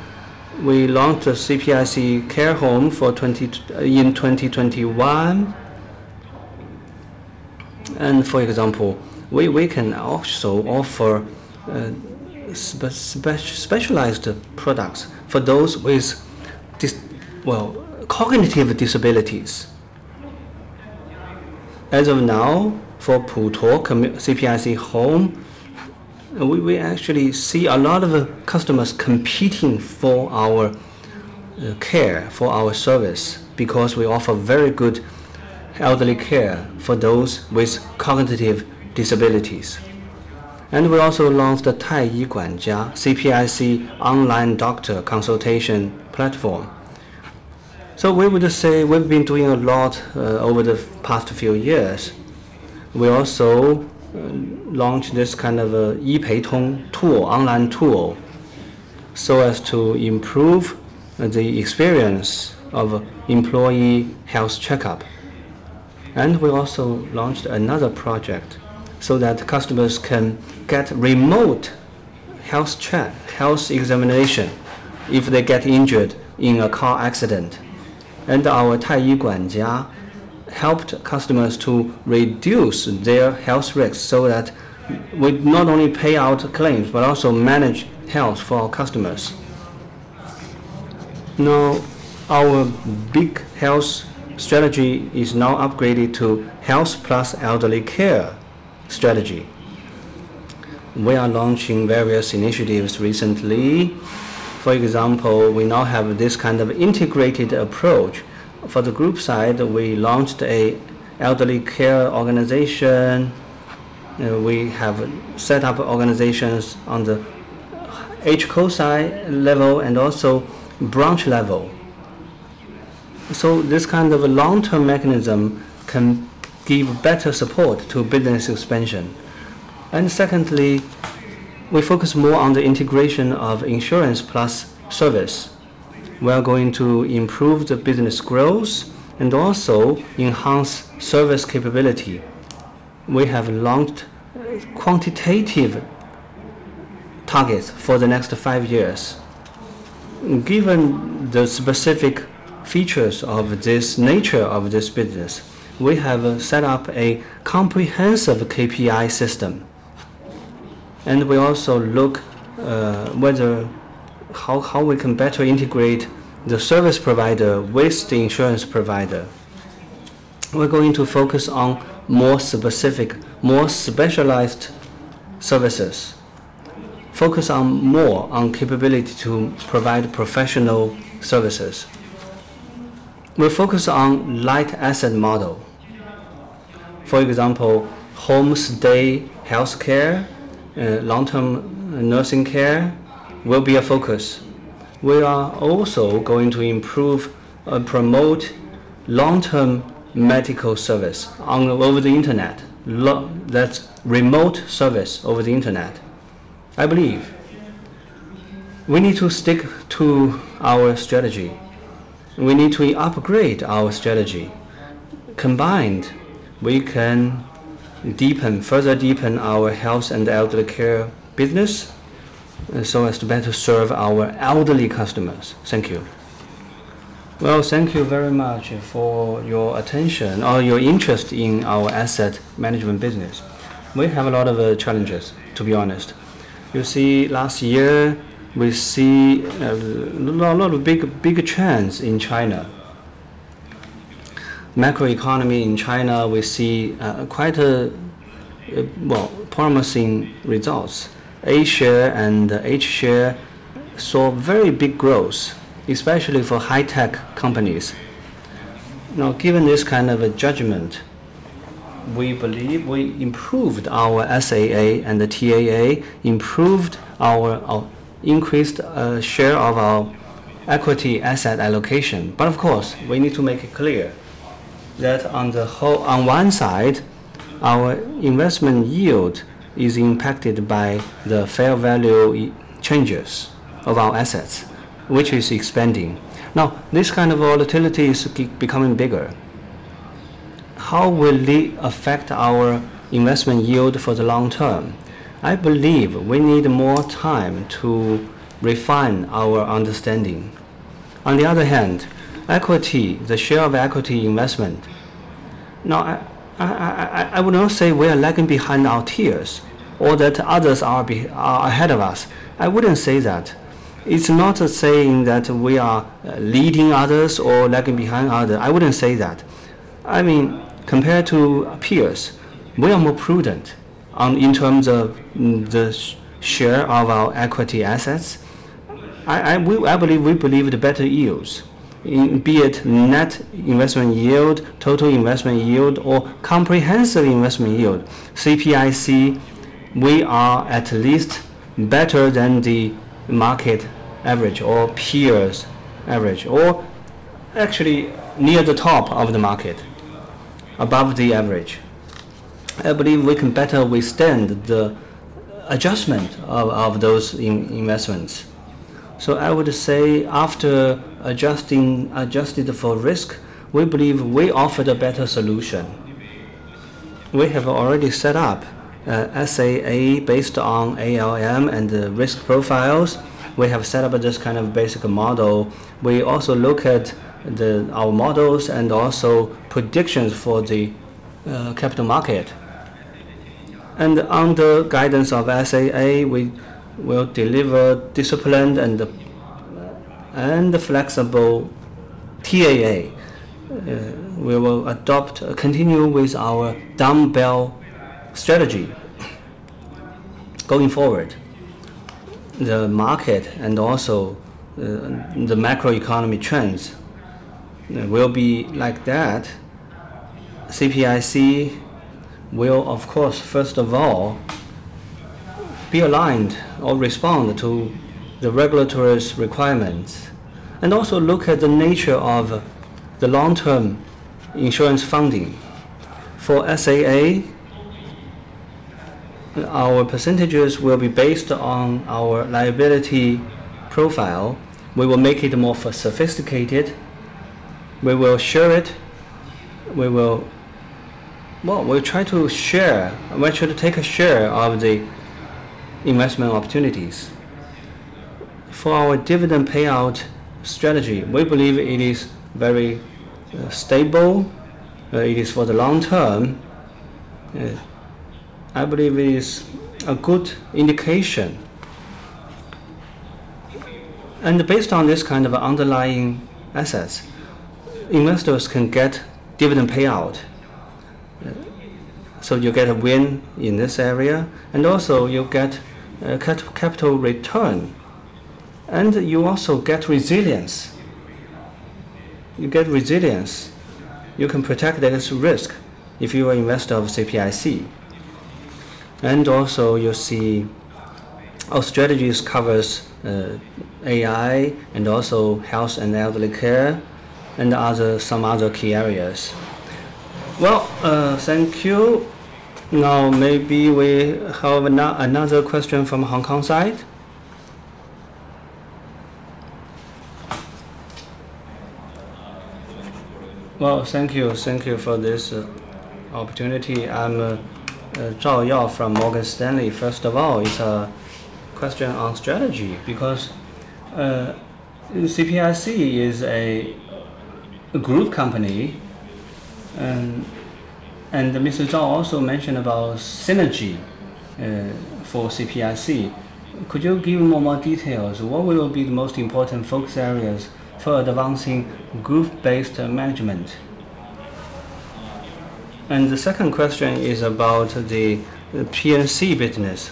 we launched a CPIC Home in 2021. For example, we can also offer specialized products for those with cognitive disabilities. As of now, for CPIC Home, we actually see a lot of customers competing for our care, for our service, because we offer very good elderly care for those with cognitive disabilities. We also launched the Taiyi Guanjia, CPIC online doctor consultation platform. We would just say we've been doing a lot over the past few years. We also launched this kind of Yi Pei Tong tool, online tool, so as to improve the experience of employee health checkup. We also launched another project so that customers can get remote health check, health examination if they get injured in a car accident. Our Taiyi Guanjia helped customers to reduce their health risks so that we'd not only pay out claims, but also manage health for our customers. Now, our big health strategy is now upgraded to health plus elderly care strategy. We are launching various initiatives recently. For example, we now have this kind of integrated approach. For the group side, we launched a elderly care organization. We have set up organizations on the HCO side level and also branch level. This kind of a long-term mechanism can give better support to business expansion. Secondly, we focus more on the integration of insurance plus service. We are going to improve the business growth and also enhance service capability. We have launched quantitative targets for the next five years. Given the specific features of this nature of this business, we have set up a comprehensive KPI system. We also look whether how we can better integrate the service provider with the insurance provider. We're going to focus on more specific, more specialized services. Focus on more on capability to provide professional services. We focus on light asset model. For example, home stay health care, long-term nursing care will be a focus. We are also going to improve and promote long-term medical service over the Internet. That's remote service over the Internet. I believe we need to stick to our strategy. We need to upgrade our strategy. Combined, we can deepen, further deepen our health and elderly care business so as to better serve our elderly customers. Thank you. Well, thank you very much for your attention or your interest in our asset management business. We have a lot of challenges, to be honest. You see, last year, we see a lot of big trends in China. Macroeconomy in China, we see quite well promising results. A-share and H-share saw very big growth, especially for high-tech companies. Now, given this kind of a judgment, we believe we improved our SAA and the TAA, improved our increased share of our equity asset allocation. But of course, we need to make it clear that on the whole, on one side, our investment yield is impacted by the fair value changes of our assets, which is expanding. Now, this kind of volatility is becoming bigger. How will it affect our investment yield for the long term? I believe we need more time to refine our understanding. On the other hand, equity, the share of equity investment. I will not say we are lagging behind our peers or that others are ahead of us. I wouldn't say that. It's not saying that we are leading others or lagging behind others. I wouldn't say that. I mean, compared to peers, we are more prudent on, in terms of the share of our equity assets. I believe we believe the better yields, be it net investment yield, total investment yield, or comprehensive investment yield. CPIC, we are at least better than the market average or peers average, or actually near the top of the market, above the average. I believe we can better withstand the adjustment of those investments. I would say after adjusting for risk, we believe we offered a better solution. We have already set up SAA based on ALM and the risk profiles. We have set up this kind of basic model. We also look at our models and also predictions for the capital market. Under guidance of SAA, we will deliver disciplined and flexible TAA. We will adopt, continue with our dumbbell strategy going forward. The market and also the macro economy trends will be like that. CPIC will, of course, first of all, be aligned or respond to the regulator's requirements and also look at the nature of the long-term insurance funding. For SAA, our percentages will be based on our liability profile. We will make it more sophisticated. We will share it. Well, we'll try to share. We'll make sure to take a share of the investment opportunities. For our dividend payout strategy, we believe it is very stable. It is for the long term. I believe it is a good indication. Based on this kind of underlying assets, investors can get dividend payout. You get a win in this area, and also you get a capital return, and you also get resilience. You can protect against risk if you are investor of CPIC. Also you see our strategies covers AI and also health and elderly care and other some other key areas. Well, thank you. Now maybe we have another question from Hong Kong side. Well, thank you. Thank you for this opportunity. I'm *inaudible* from Morgan Stanley. First of all, it's a question on strategy because CPIC is a group company, and Mr. Zhao also mentioned about synergy for CPIC. Could you give more details? What will be the most important focus areas for advancing group-based management? The second question is about the P&C business.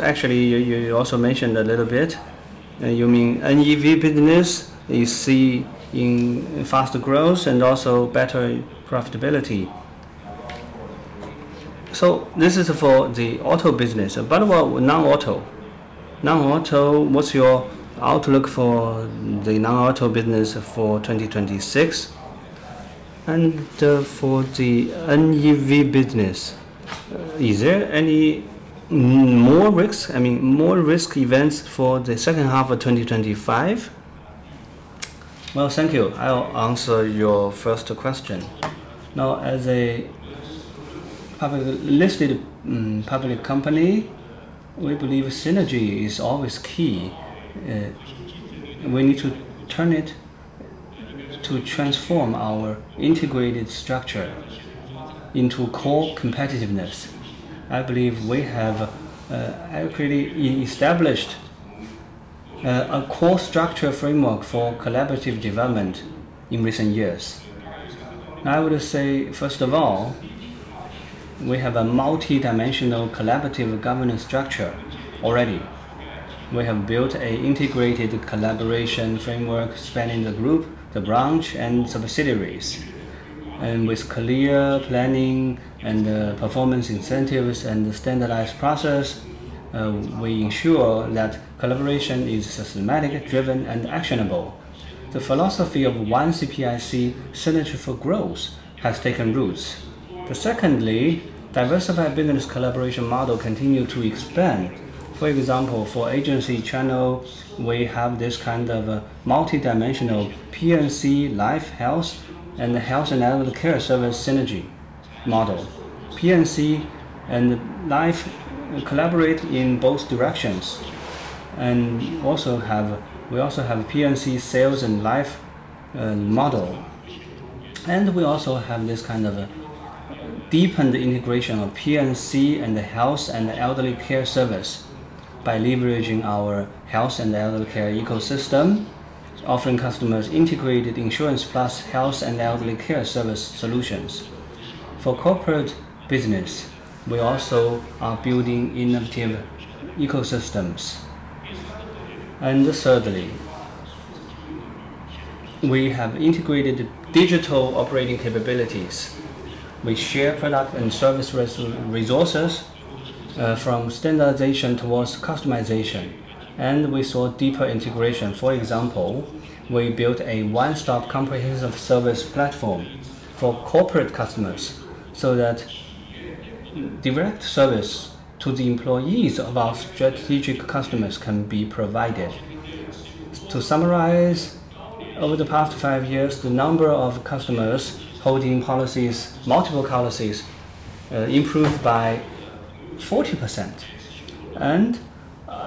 Actually, you also mentioned a little bit. You mean NEV business you see in faster growth and also better profitability. This is for the auto business. But non-auto. Non-auto, what's your outlook for the non-auto business for 2026? For the NEV business, is there any more risk, I mean, more risk events for the second half of 2025? Well, thank you. I'll answer your first question. Now, as a publicly listed public company, we believe synergy is always key. We need to turn it to transform our integrated structure into core competitiveness. I believe we have already established a core structure framework for collaborative development in recent years. I would say, first of all, we have a multidimensional collaborative governance structure already. We have built an integrated collaboration framework spanning the group, the branch, and subsidiaries. With clear planning and performance incentives and standardized process, we ensure that collaboration is systematic, driven, and actionable. The philosophy of one CPIC synergy for growth has taken roots. Secondly, diversified business collaboration model continue to expand. For example, for agency channel, we have this kind of multidimensional P&C life, health, and the health and elderly care service synergy model. P&C and life collaborate in both directions. We also have P&C sales and life model. We also have this kind of deepened integration of P&C and the health and elderly care service by leveraging our health and elderly care ecosystem, offering customers integrated insurance plus health and elderly care service solutions. For corporate business, we also are building innovative ecosystems. Thirdly, we have integrated digital operating capabilities. We share product and service resources, from standardization towards customization. We saw deeper integration. For example, we built a one-stop comprehensive service platform for corporate customers so that direct service to the employees of our strategic customers can be provided. To summarize, over the past five years, the number of customers holding multiple policies improved by 40%.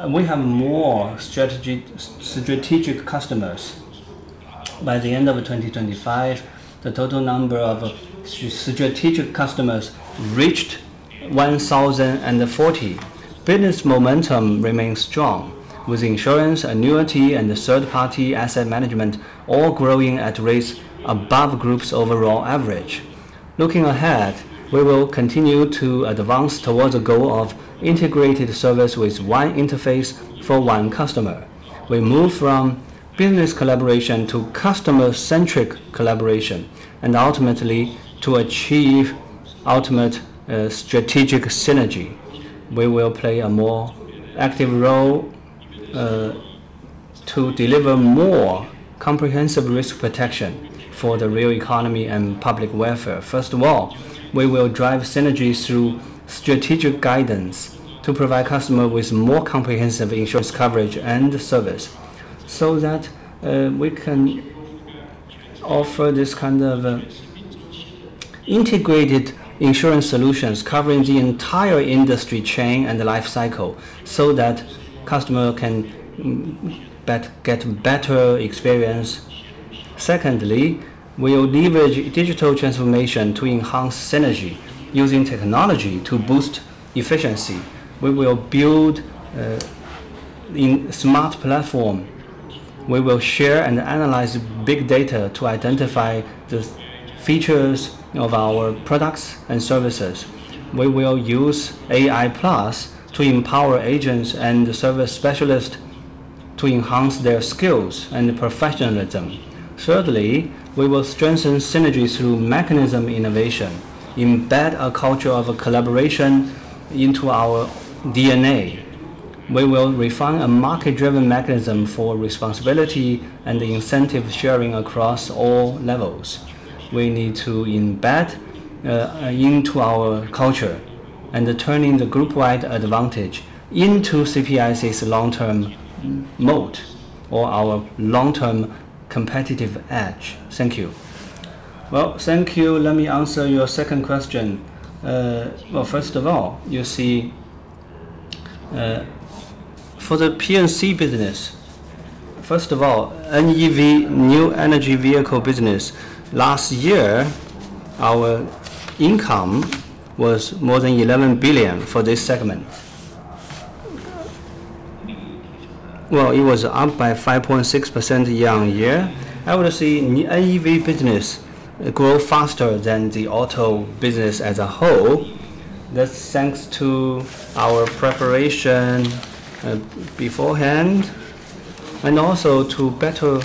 We have more strategic customers. By the end of 2025, the total number of strategic customers reached 1,040. Business momentum remains strong, with insurance, annuity, and third-party asset management all growing at rates above group's overall average. Looking ahead, we will continue to advance towards the goal of integrated service with one interface for one customer. We move from business collaboration to customer-centric collaboration and ultimately to achieve ultimate strategic synergy. We will play a more active role to deliver more comprehensive risk protection for the real economy and public welfare. First of all, we will drive synergies through strategic guidance to provide customer with more comprehensive insurance coverage and service so that we can offer this kind of integrated insurance solutions covering the entire industry chain and the life cycle so that customer can get better experience. Secondly, we'll leverage digital transformation to enhance synergy using technology to boost efficiency. We will build a smart platform. We will share and analyze big data to identify the features of our products and services. We will use AI+ to empower agents and service specialist to enhance their skills and professionalism. Thirdly, we will strengthen synergies through mechanism innovation, embed a culture of collaboration into our DNA. We will refine a market-driven mechanism for responsibility and incentive sharing across all levels. We need to embed into our culture and turning the groupwide advantage into CPIC's long-term moat or our long-term competitive edge. Thank you. Thank you. Let me answer your second question. First of all, you see, for the P&C business, first of all, NEV, New Energy Vehicle business, last year, our income was more than 11 billion for this segment. It was up by 5.6% year-on-year. I would say NEV business grow faster than the auto business as a whole. That's thanks to our preparation beforehand and also to better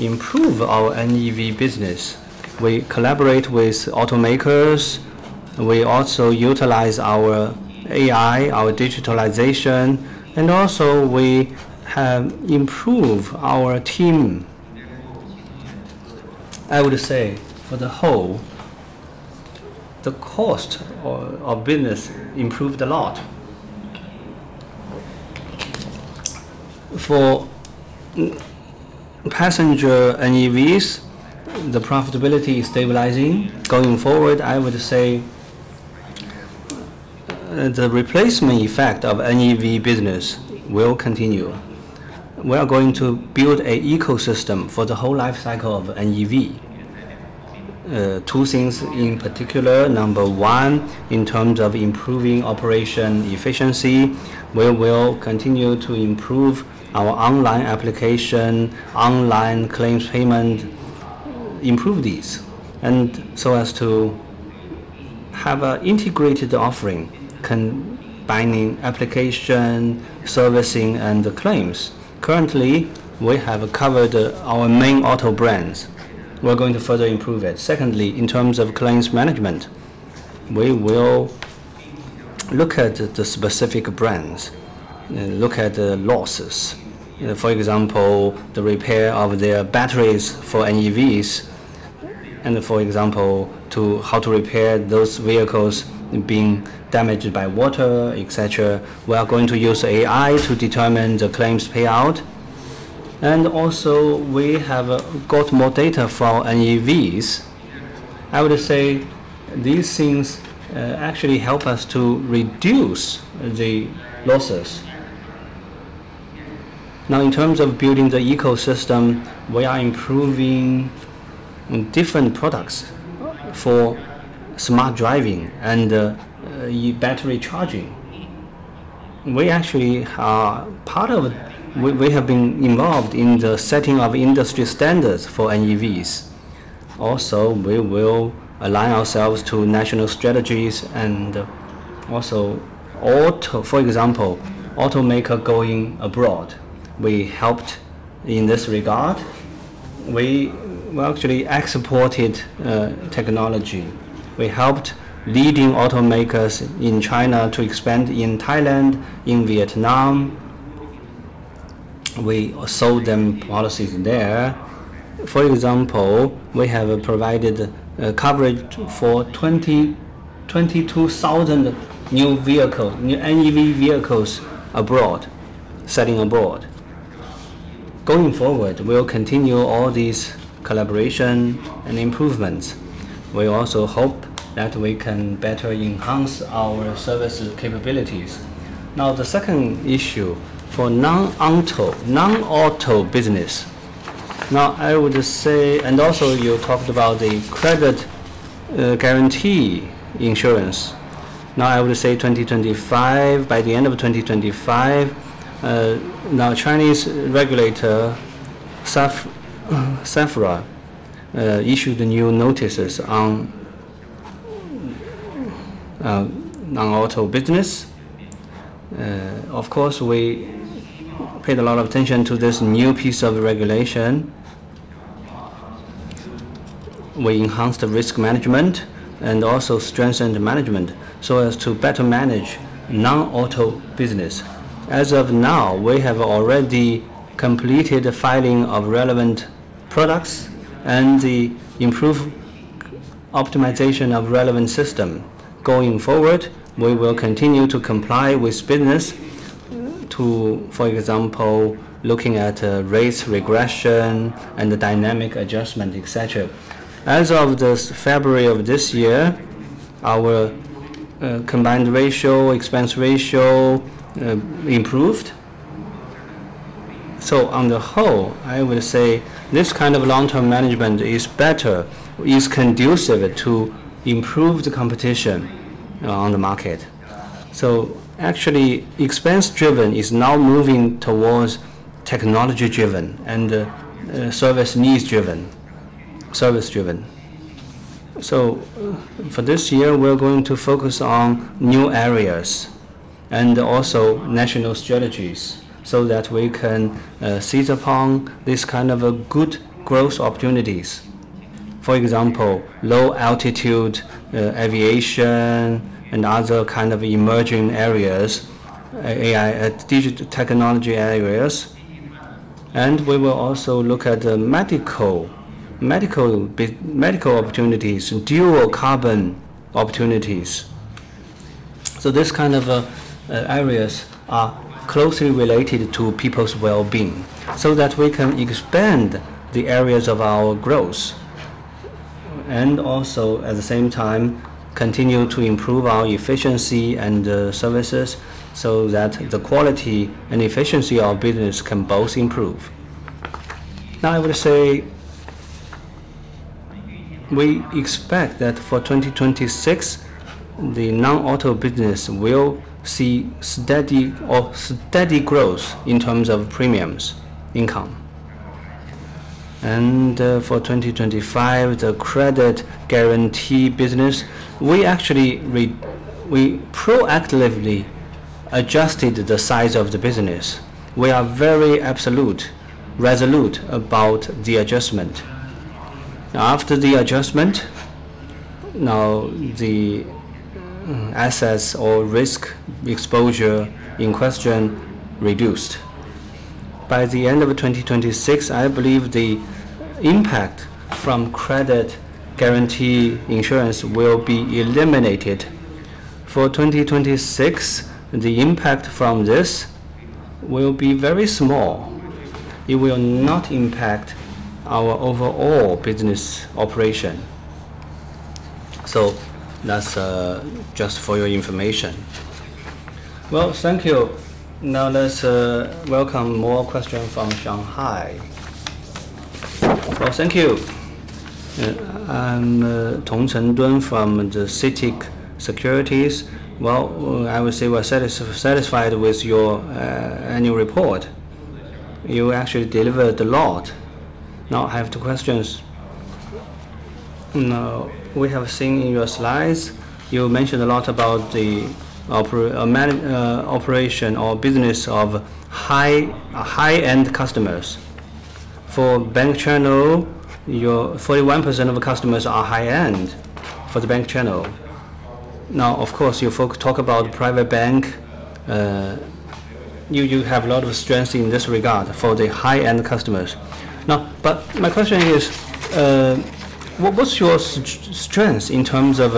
improve our NEV business. We collaborate with automakers. We also utilize our AI, our digitalization, and also we have improved our team. I would say for the whole, the cost of business improved a lot. For passenger NEVs, the profitability is stabilizing. Going forward, I would say the replacement effect of NEV business will continue. We are going to build a ecosystem for the whole life cycle of NEV. Two things in particular. Number one, in terms of improving operation efficiency, we will continue to improve our online application, online claims payment, improve these and so as to have a integrated offering combining application, servicing, and claims. Currently, we have covered our main auto brands. We're going to further improve it. Secondly, in terms of claims management, we will look at the specific brands and look at the losses. You know, for example, the repair of their batteries for NEVs and for example, to how to repair those vehicles being damaged by water, et cetera. We are going to use AI to determine the claims payout. We have got more data for our NEVs. I would say these things actually help us to reduce the losses. Now, in terms of building the ecosystem, we are improving different products for smart driving and battery charging. We have been involved in the setting of industry standards for NEVs. Also, we will align ourselves to national strategies and also auto. For example, automaker going abroad. We helped in this regard. We actually export-supported technology. We helped leading automakers in China to expand in Thailand, in Vietnam. We sold them policies there. For example, we have provided coverage for 22,000 new vehicle new NEV vehicles abroad, selling abroad. Going forward, we'll continue all these collaboration and improvements. We also hope that we can better enhance our service capabilities. Now, the second issue, for non-auto business. I would say. Also you talked about the credit guarantee insurance. I would say 2025, by the end of 2025, now Chinese regulator NFRA issued new notices on non-auto business. Of course, we paid a lot of attention to this new piece of regulation. We enhanced the risk management and also strengthened the management so as to better manage non-auto business. As of now, we have already completed the filing of relevant products and the improved optimization of relevant system. Going forward, we will continue to comply with business, for example, looking at rates regression and the dynamic adjustment, et cetera. As of this February of this year, our combined ratio, expense ratio improved. On the whole, I would say this kind of long-term management is better, is conducive to improve the competition on the market. Actually, expense driven is now moving towards technology driven and service needs driven, service driven. For this year, we're going to focus on new areas and also national strategies so that we can seize upon this kind of a good growth opportunities. For example, low altitude aviation and other kind of emerging areas, AI, digital technology areas. We will also look at medical opportunities, dual carbon opportunities. This kind of areas are closely related to people's well-being, so that we can expand the areas of our growth and also at the same time continue to improve our efficiency and services so that the quality and efficiency of business can both improve. Now, I would say we expect that for 2026, the non-auto business will see steady growth in terms of premiums income. For 2025, the credit guarantee business, we actually we proactively adjusted the size of the business. We are very resolute about the adjustment. After the adjustment, now the assets or risk exposure in question reduced. By the end of 2026, I believe the impact from credit guarantee insurance will be eliminated. For 2026, the impact from this will be very small. It will not impact our overall business operation. That's just for your information. Well, thank you. Now, let's welcome more questions from Shanghai. Well, thank you. I'm Tong Chengdun from CITIC Securities. Well, I would say we're satisfied with your annual report. You actually delivered a lot. Now I have two questions. We have seen in your slides, you mentioned a lot about the operation or business of high-end customers. For bank channel, your 41% of customers are high-end for the bank channel. Of course, you folks talk about private bank. You have a lot of strength in this regard for the high-end customers. Now, but my question is, what's your strength in terms of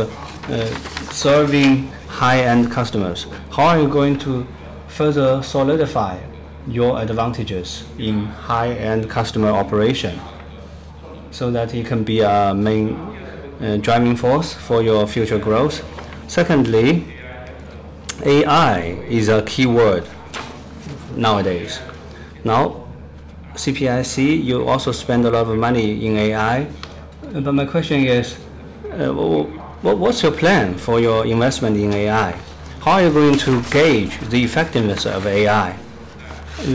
serving high-end customers? How are you going to further solidify your advantages in high-end customer operation so that it can be a main driving force for your future growth? Secondly, AI is a key word nowadays. Now, CPIC, you also spend a lot of money in AI. But my question is, what's your plan for your investment in AI? How are you going to gauge the effectiveness of AI?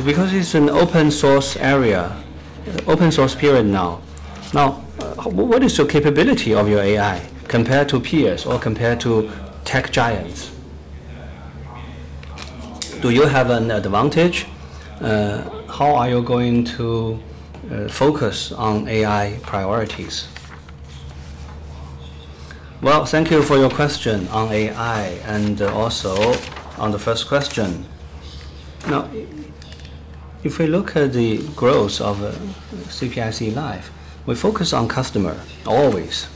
Because it's an open source era now. What is your capability of your AI compared to peers or compared to tech giants? Do you have an advantage? How are you going to focus on AI priorities? Well, thank you for your question on AI and also on the first question. Now, if we look at the growth of CPIC Life, we focus on customer always.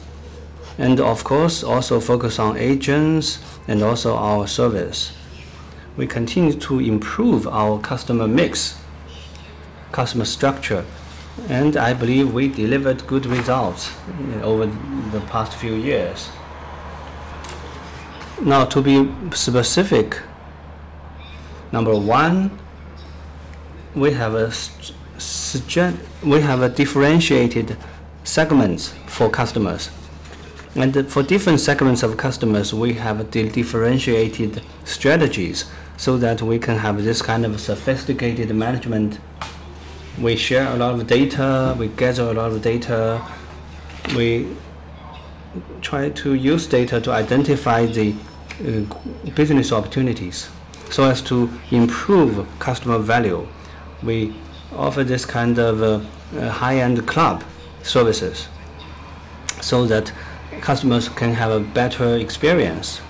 Of course, also focus on agents and also our service. We continue to improve our customer mix, customer structure, and I believe we delivered good results over the past few years. Now, to be specific, number one, we have a differentiated segments for customers. For different segments of customers, we have differentiated strategies so that we can have this kind of sophisticated management. We share a lot of data, we gather a lot of data, we try to use data to identify the business opportunities so as to improve customer value. We offer this kind of high-end club services so that customers can have a better experience.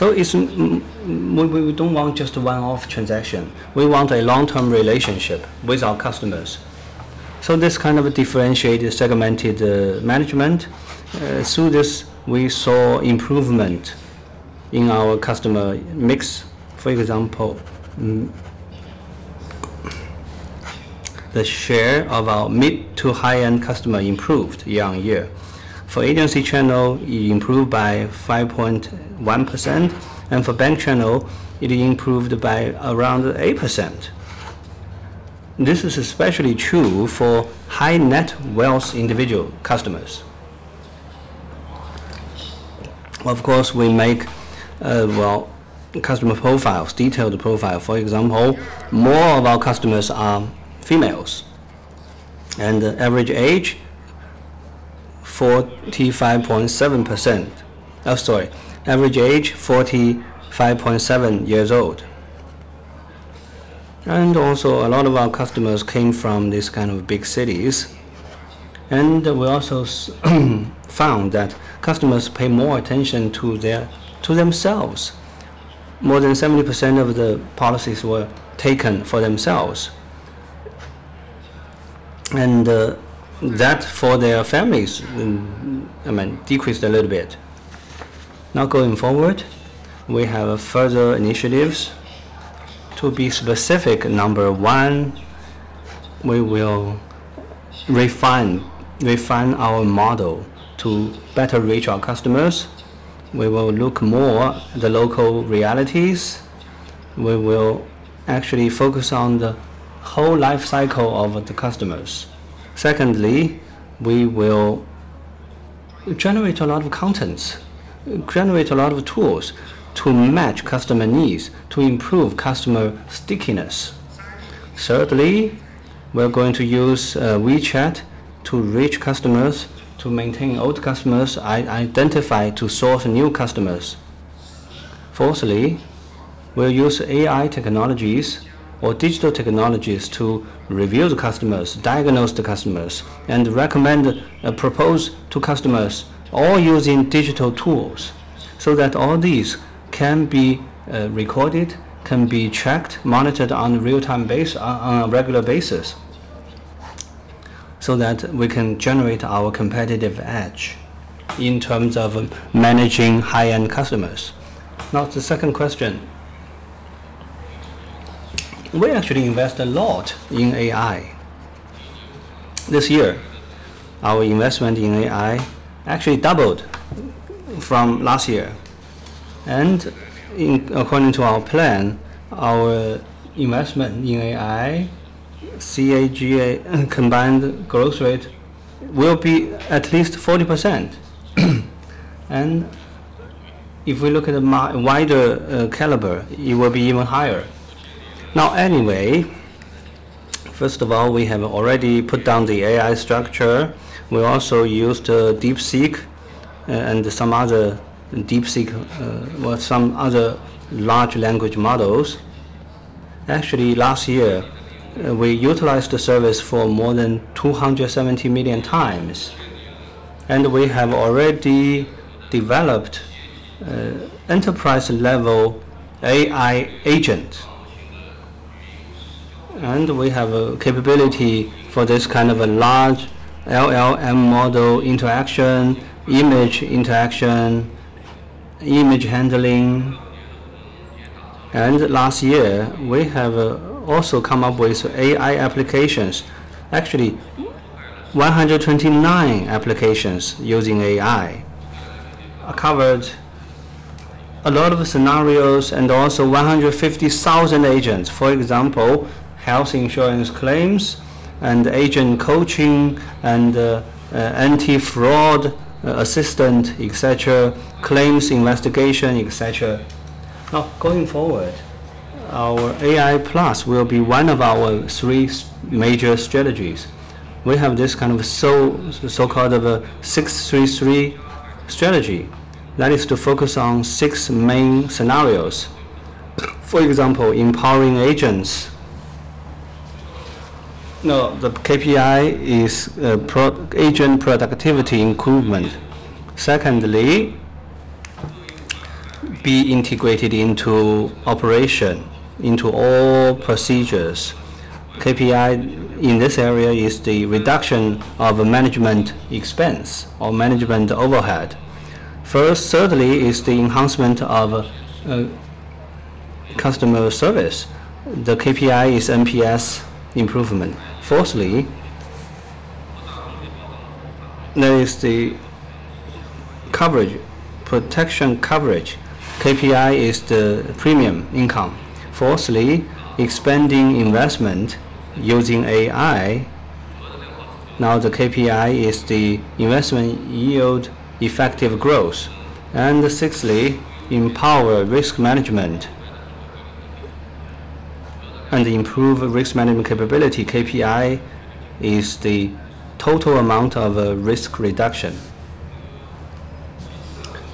We don't want just a one-off transaction. We want a long-term relationship with our customers. This kind of differentiated segmented management through this, we saw improvement in our customer mix. For example, the share of our mid- to high-end customer improved year-on-year. For agency channel, it improved by 5.1%, and for bank channel, it improved by around 8%. This is especially true for high-net-worth individual customers. Of course, we make well customer profiles, detailed profile. For example, more of our customers are females. Average age 45.7 years old. A lot of our customers came from this kind of big cities. We also found that customers pay more attention to themselves. More than 70% of the policies were taken for themselves. That for their families, I mean, decreased a little bit. Now going forward, we have further initiatives. To be specific, number one, we will refine our model to better reach our customers. We will look more at the local realities. We will actually focus on the whole life cycle of the customers. Secondly, we will generate a lot of content, generate a lot of tools to match customer needs to improve customer stickiness. Thirdly, we're going to use WeChat to reach customers, to maintain old customers, identify, to source new customers. Fourthly, we'll use AI technologies or digital technologies to review the customers, diagnose the customers, and recommend a proposal to customers all using digital tools so that all these can be recorded, can be checked, monitored on a real-time basis, on a regular basis, so that we can generate our competitive edge in terms of managing high-end customers. Now, the second question. We actually invest a lot in AI. This year, our investment in AI actually doubled from last year. According to our plan, our investment in AI CAGR, compound growth rate will be at least 40%. If we look at a wider caliber, it will be even higher. Now, anyway, first of all, we have already put down the AI structure. We also used DeepSeek and some other large language models. Actually, last year, we utilized the service for more than 270 million times, and we have already developed enterprise-level AI agent. We have a capability for this kind of a large LLM model interaction, image interaction, image handling. Last year, we have also come up with AI applications. Actually, 129 applications using AI covered a lot of scenarios and also 150,000 agents. For example, health insurance claims and agent coaching and anti-fraud assistant, et cetera, claims investigation, et cetera. Now, going forward, our AI+ will be one of our three major strategies. We have this kind of so-called 633 strategy. That is to focus on six main scenarios. For example, empowering agents. Now, the KPI is per-agent productivity improvement. Secondly, be integrated into operation, into all procedures. KPI in this area is the reduction of management expense or management overhead. First, certainly is the enhancement of customer service. The KPI is NPS improvement. Fourthly, there is the protection coverage. KPI is the premium income. Fourthly, expanding investment using AI. Now the KPI is the investment yield effective growth. Sixthly, empower risk management and improve risk management capability. KPI is the total amount of risk reduction.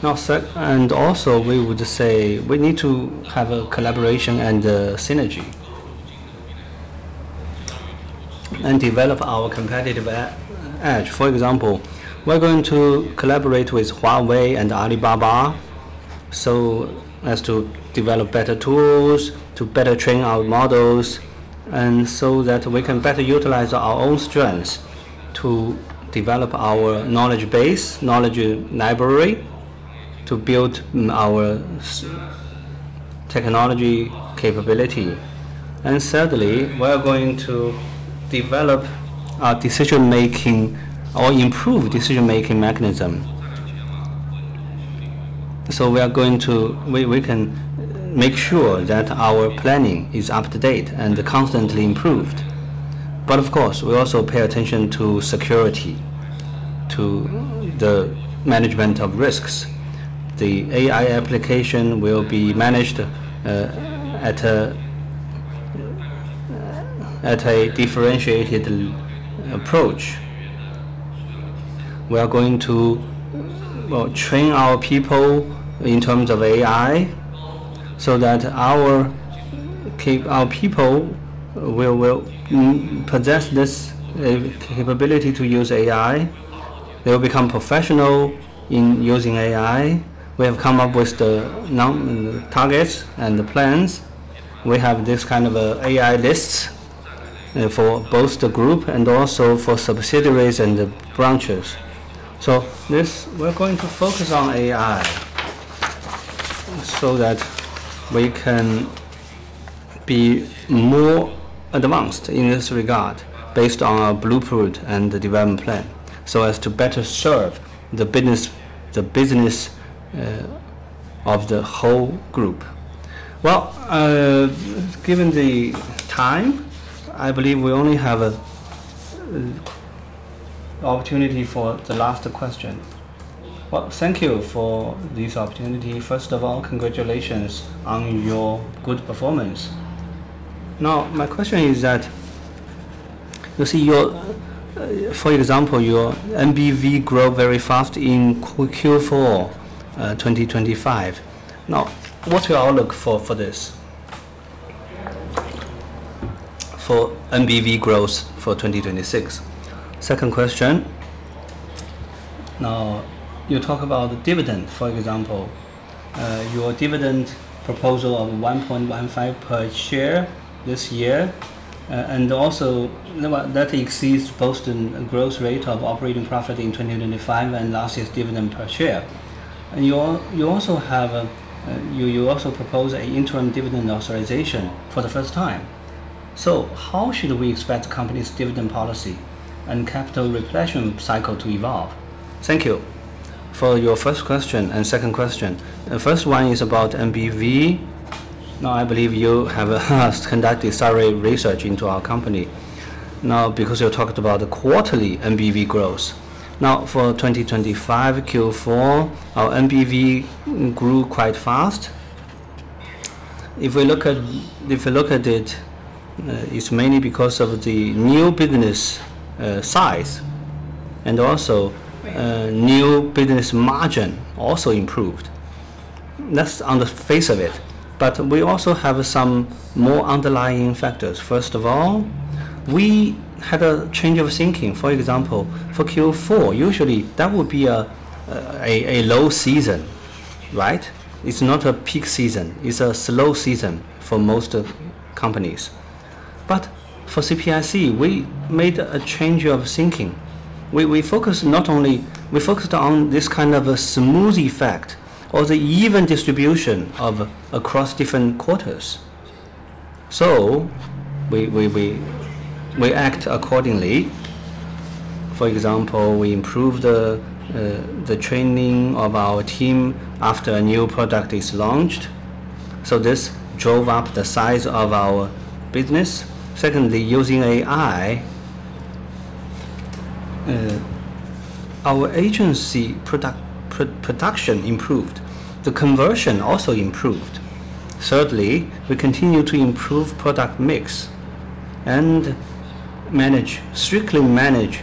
Now, and also we would say we need to have a collaboration and a synergy and develop our competitive edge. For example, we're going to collaborate with Huawei and Alibaba, so as to develop better tools, to better train our models, and so that we can better utilize our own strengths to develop our knowledge base, knowledge library, to build our technology capability. Thirdly, we are going to develop our decision-making or improve decision-making mechanism. We can make sure that our planning is up-to-date and constantly improved. Of course, we also pay attention to security, to the management of risks. The AI application will be managed at a differentiated approach. We train our people in terms of AI so that our people will possess this capability to use AI. They will become professional in using AI. We have come up with the new targets and the plans. We have this kind of AI lists for both the group and also for subsidiaries and the branches. This, we're going to focus on AI so that we can be more advanced in this regard based on our blueprint and the development plan so as to better serve the business of the whole group. Given the time, I believe we only have an opportunity for the last question. Thank you for this opportunity. First of all, congratulations on your good performance. Now, my question is that, you see your, for example, your NBV grew very fast in Q4, 2025. Now, what's your outlook for this? For NBV growth for 2026. Second question. Now, you talk about dividend, for example. Your dividend proposal of 1.15 per share this year, and also, you know what? That exceeds both the growth rate of operating profit in 2025 and last year's dividend per share. You also propose an interim dividend authorization for the first time. How should we expect the company's dividend policy and capital refreshing cycle to evolve? Thank you for your first question and second question. The first one is about NBV. No, I believe you have conducted thorough research into our company. Now, because you talked about the quarterly NBV growth. Now, for 2025 Q4, our NBV grew quite fast. If we look at it's mainly because of the new business size and also new business margin also improved. That's on the face of it, but we also have some more underlying factors. First of all, we had a change of thinking. For example, for Q4, usually that would be a low season, right? It's not a peak season. It's a slow season for most companies. But for CPIC, we made a change of thinking. We focused on this kind of a smooth effect or the even distribution across different quarters. So we act accordingly. For example, we improve the training of our team after a new product is launched. So this drove up the size of our business. Secondly, using AI, our agency product production improved. The conversion also improved. Thirdly, we continue to improve product mix and strictly manage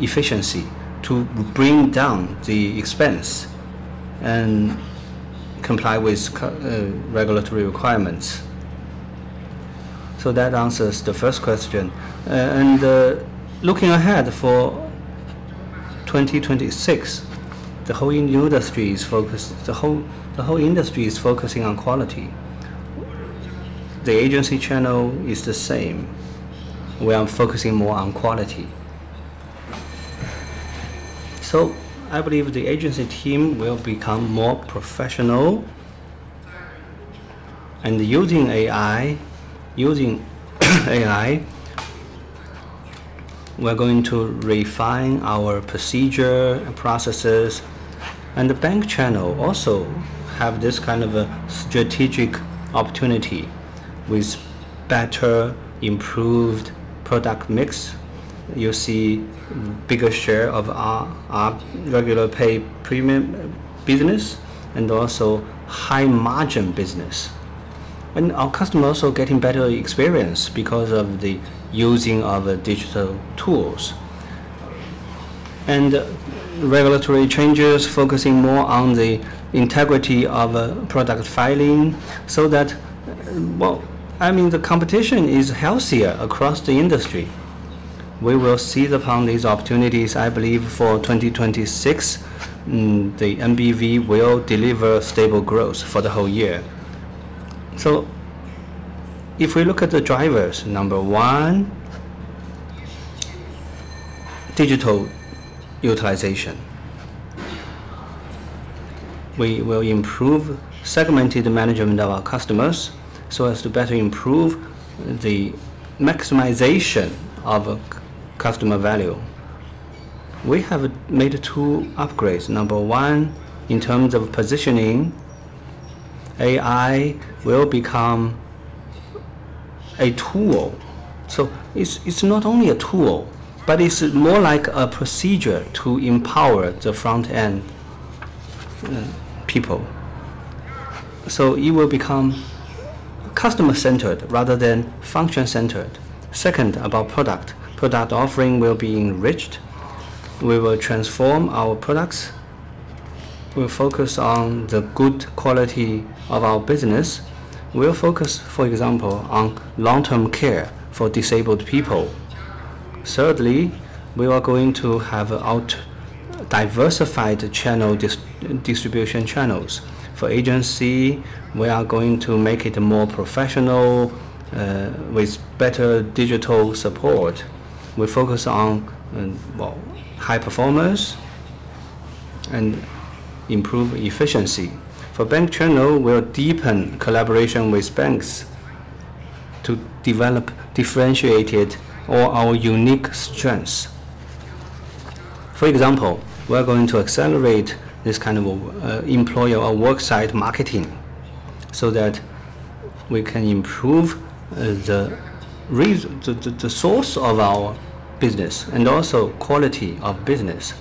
efficiency to bring down the expense and comply with regulatory requirements. So that answers the first question. Looking ahead for 2026, the whole industry is focusing on quality. The agency channel is the same. We are focusing more on quality. So I believe the agency team will become more professional. Using AI, we're going to refine our procedure and processes. The bank channel also have this kind of a strategic opportunity with better improved product mix. You see bigger share of our regular pay premium business and also high margin business. Our customers are getting better experience because of the using of digital tools. Regulatory changes focusing more on the integrity of product filing so that, well, I mean, the competition is healthier across the industry. We will seize upon these opportunities. I believe for 2026, the NBV will deliver stable growth for the whole year. If we look at the drivers, number one, digital utilization. We will improve segmented management of our customers so as to better improve the maximization of customer value. We have made two upgrades. Number one, in terms of positioning, AI will become a tool. It's not only a tool, but it's more like a procedure to empower the front-end people. It will become customer-centered rather than function-centered. Second, about product. Product offering will be enriched. We will transform our products. We'll focus on the good quality of our business. We'll focus, for example, on long-term care for disabled people. Thirdly, we are going to have our diversified channel distribution channels. For agency, we are going to make it more professional with better digital support. We focus on, well, high performance and improve efficiency. For bank channel, we'll deepen collaboration with banks to develop differentiated or our unique strengths. For example, we are going to accelerate this kind of employer or work site marketing so that we can improve the source of our business and also quality of business.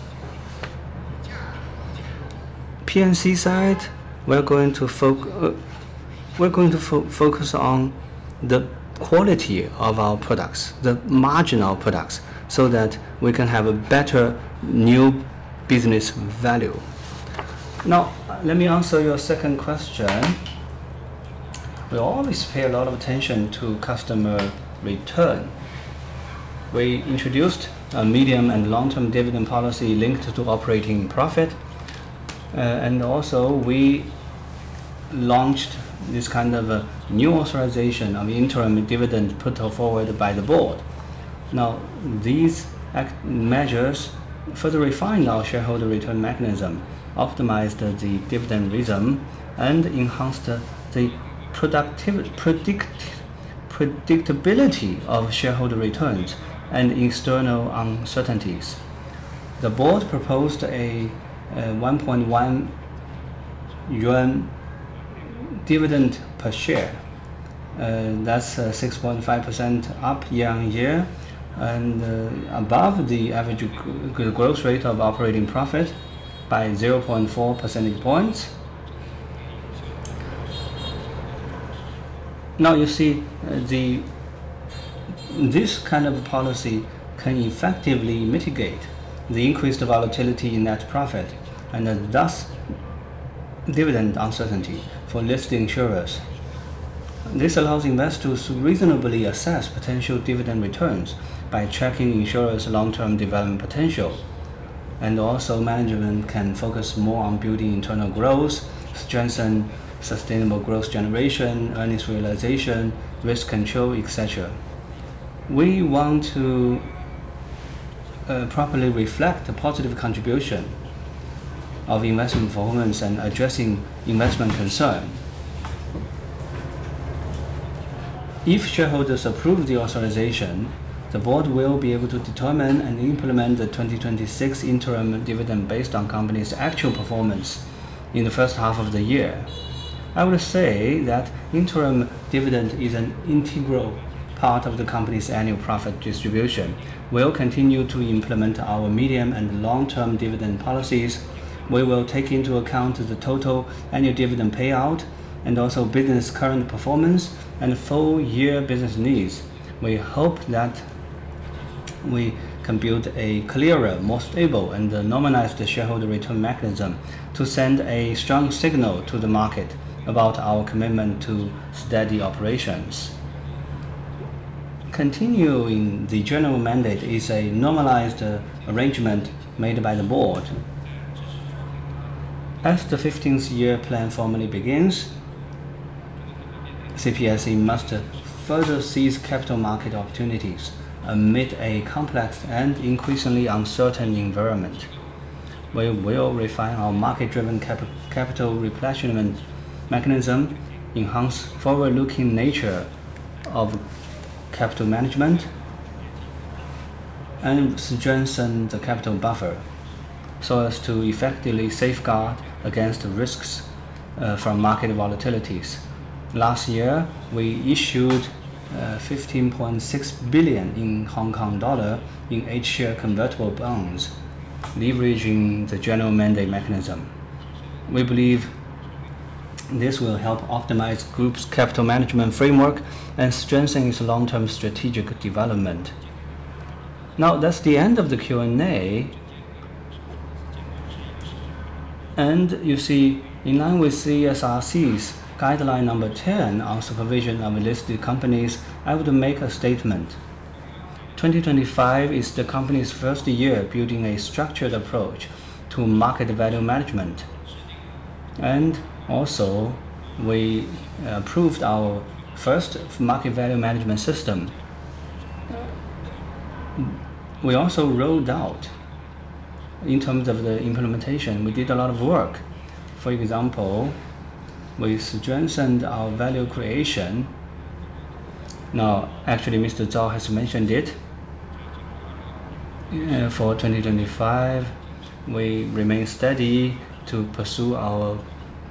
P&C side, we are going to focus on the quality of our products, the margin of products, so that we can have a better new business value. Now, let me answer your second question. We always pay a lot of attention to customer return. We introduced a medium and long-term dividend policy linked to operating profit, and also we launched this kind of a new authorization of interim dividend put forward by the board. Now, these measures further refine our shareholder return mechanism, optimized the dividend rhythm, and enhanced the predictability of shareholder returns and external uncertainties. The board proposed a 1.1 yuan dividend per share. That's 6.5% up year-over-year and above the average growth rate of operating profit by 0.4 percentage points. Now you see, this kind of policy can effectively mitigate the increased volatility in net profit and thus dividend uncertainty for listed insurers. This allows investors to reasonably assess potential dividend returns by tracking insurers' long-term development potential, and also management can focus more on building internal growth, strengthen sustainable growth generation, earnings realization, risk control, et cetera. We want to properly reflect the positive contribution of investment performance and addressing investment concern. If shareholders approve the authorization, the board will be able to determine and implement the 2026 interim dividend based on company's actual performance in the first half of the year. I would say that interim dividend is an integral part of the company's annual profit distribution. We'll continue to implement our medium and long-term dividend policies. We will take into account the total annual dividend payout and also business current performance and full year business needs. We hope that we can build a clearer, more stable, and a normalized shareholder return mechanism to send a strong signal to the market about our commitment to steady operations. Continuing the general mandate is a normalized arrangement made by the board. As the 15th Five-Year Plan formally begins, CPIC must further seize capital market opportunities amid a complex and increasingly uncertain environment. We will refine our market-driven capital replenishment mechanism, enhance forward-looking nature of capital management, and strengthen the capital buffer so as to effectively safeguard against risks from market volatilities. Last year, we issued 15.6 billion in H-share convertible bonds, leveraging the general mandate mechanism. We believe this will help optimize group's capital management framework and strengthen its long-term strategic development. Now, that's the end of the Q&A. You see, in line with CSRC's guideline number 10 on supervision of listed companies, I would make a statement. 2025 is the company's first year building a structured approach to market value management. also we approved our first market value management system. We also rolled out, in terms of the implementation, we did a lot of work. For example, we strengthened our value creation. Now, actually, Mr. Zhao has mentioned it. for 2025, we remain steady to pursue our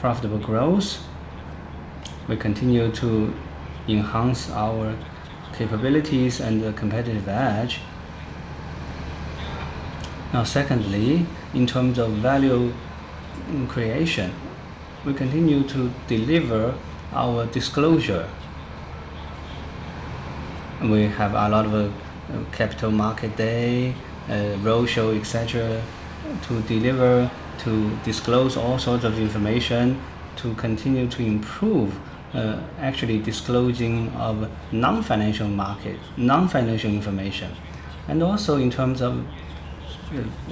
profitable growth. We continue to enhance our capabilities and the competitive edge. Now, secondly, in terms of value creation, we continue to deliver our disclosure. We have a lot of, Capital Market Day, roadshow, et cetera, to deliver, to disclose all sorts of information, to continue to improve, actually disclosing of non-financial market, non-financial information. Also in terms of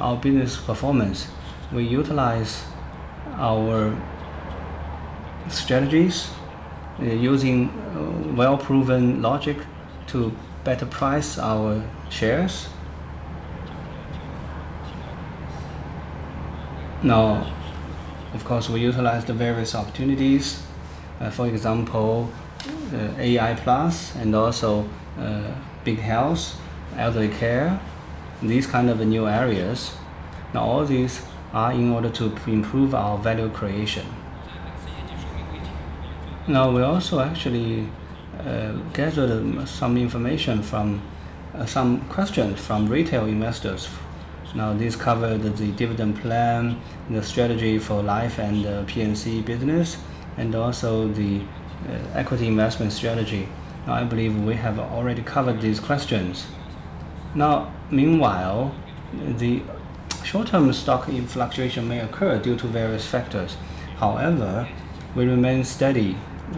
our business performance, we utilize our strategies using well-proven logic to better price our shares. Now, of course, we utilized various opportunities for example AI+ and also big health, elderly care, these kind of new areas. Now, all these are in order to improve our value creation. Now, we also actually gathered some information from some questions from retail investors. Now, this covered the dividend plan, the strategy for life and P&C business, and also the equity investment strategy. Now, I believe we have already covered these questions. Now, meanwhile, the short-term stock fluctuations may occur due to various factors. However, we remain steady.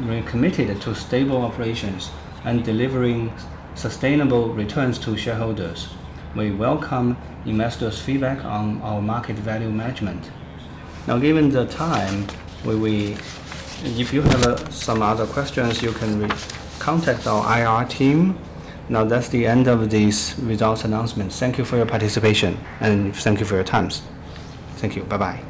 We're committed to stable operations and delivering sustainable returns to shareholders. We welcome investors' feedback on our market value management. Now, given the time, if you have some other questions, you can contact our IR team. Now, that's the end of this results announcement. Thank you for your participation and thank you for your times. Thank you. Bye-bye.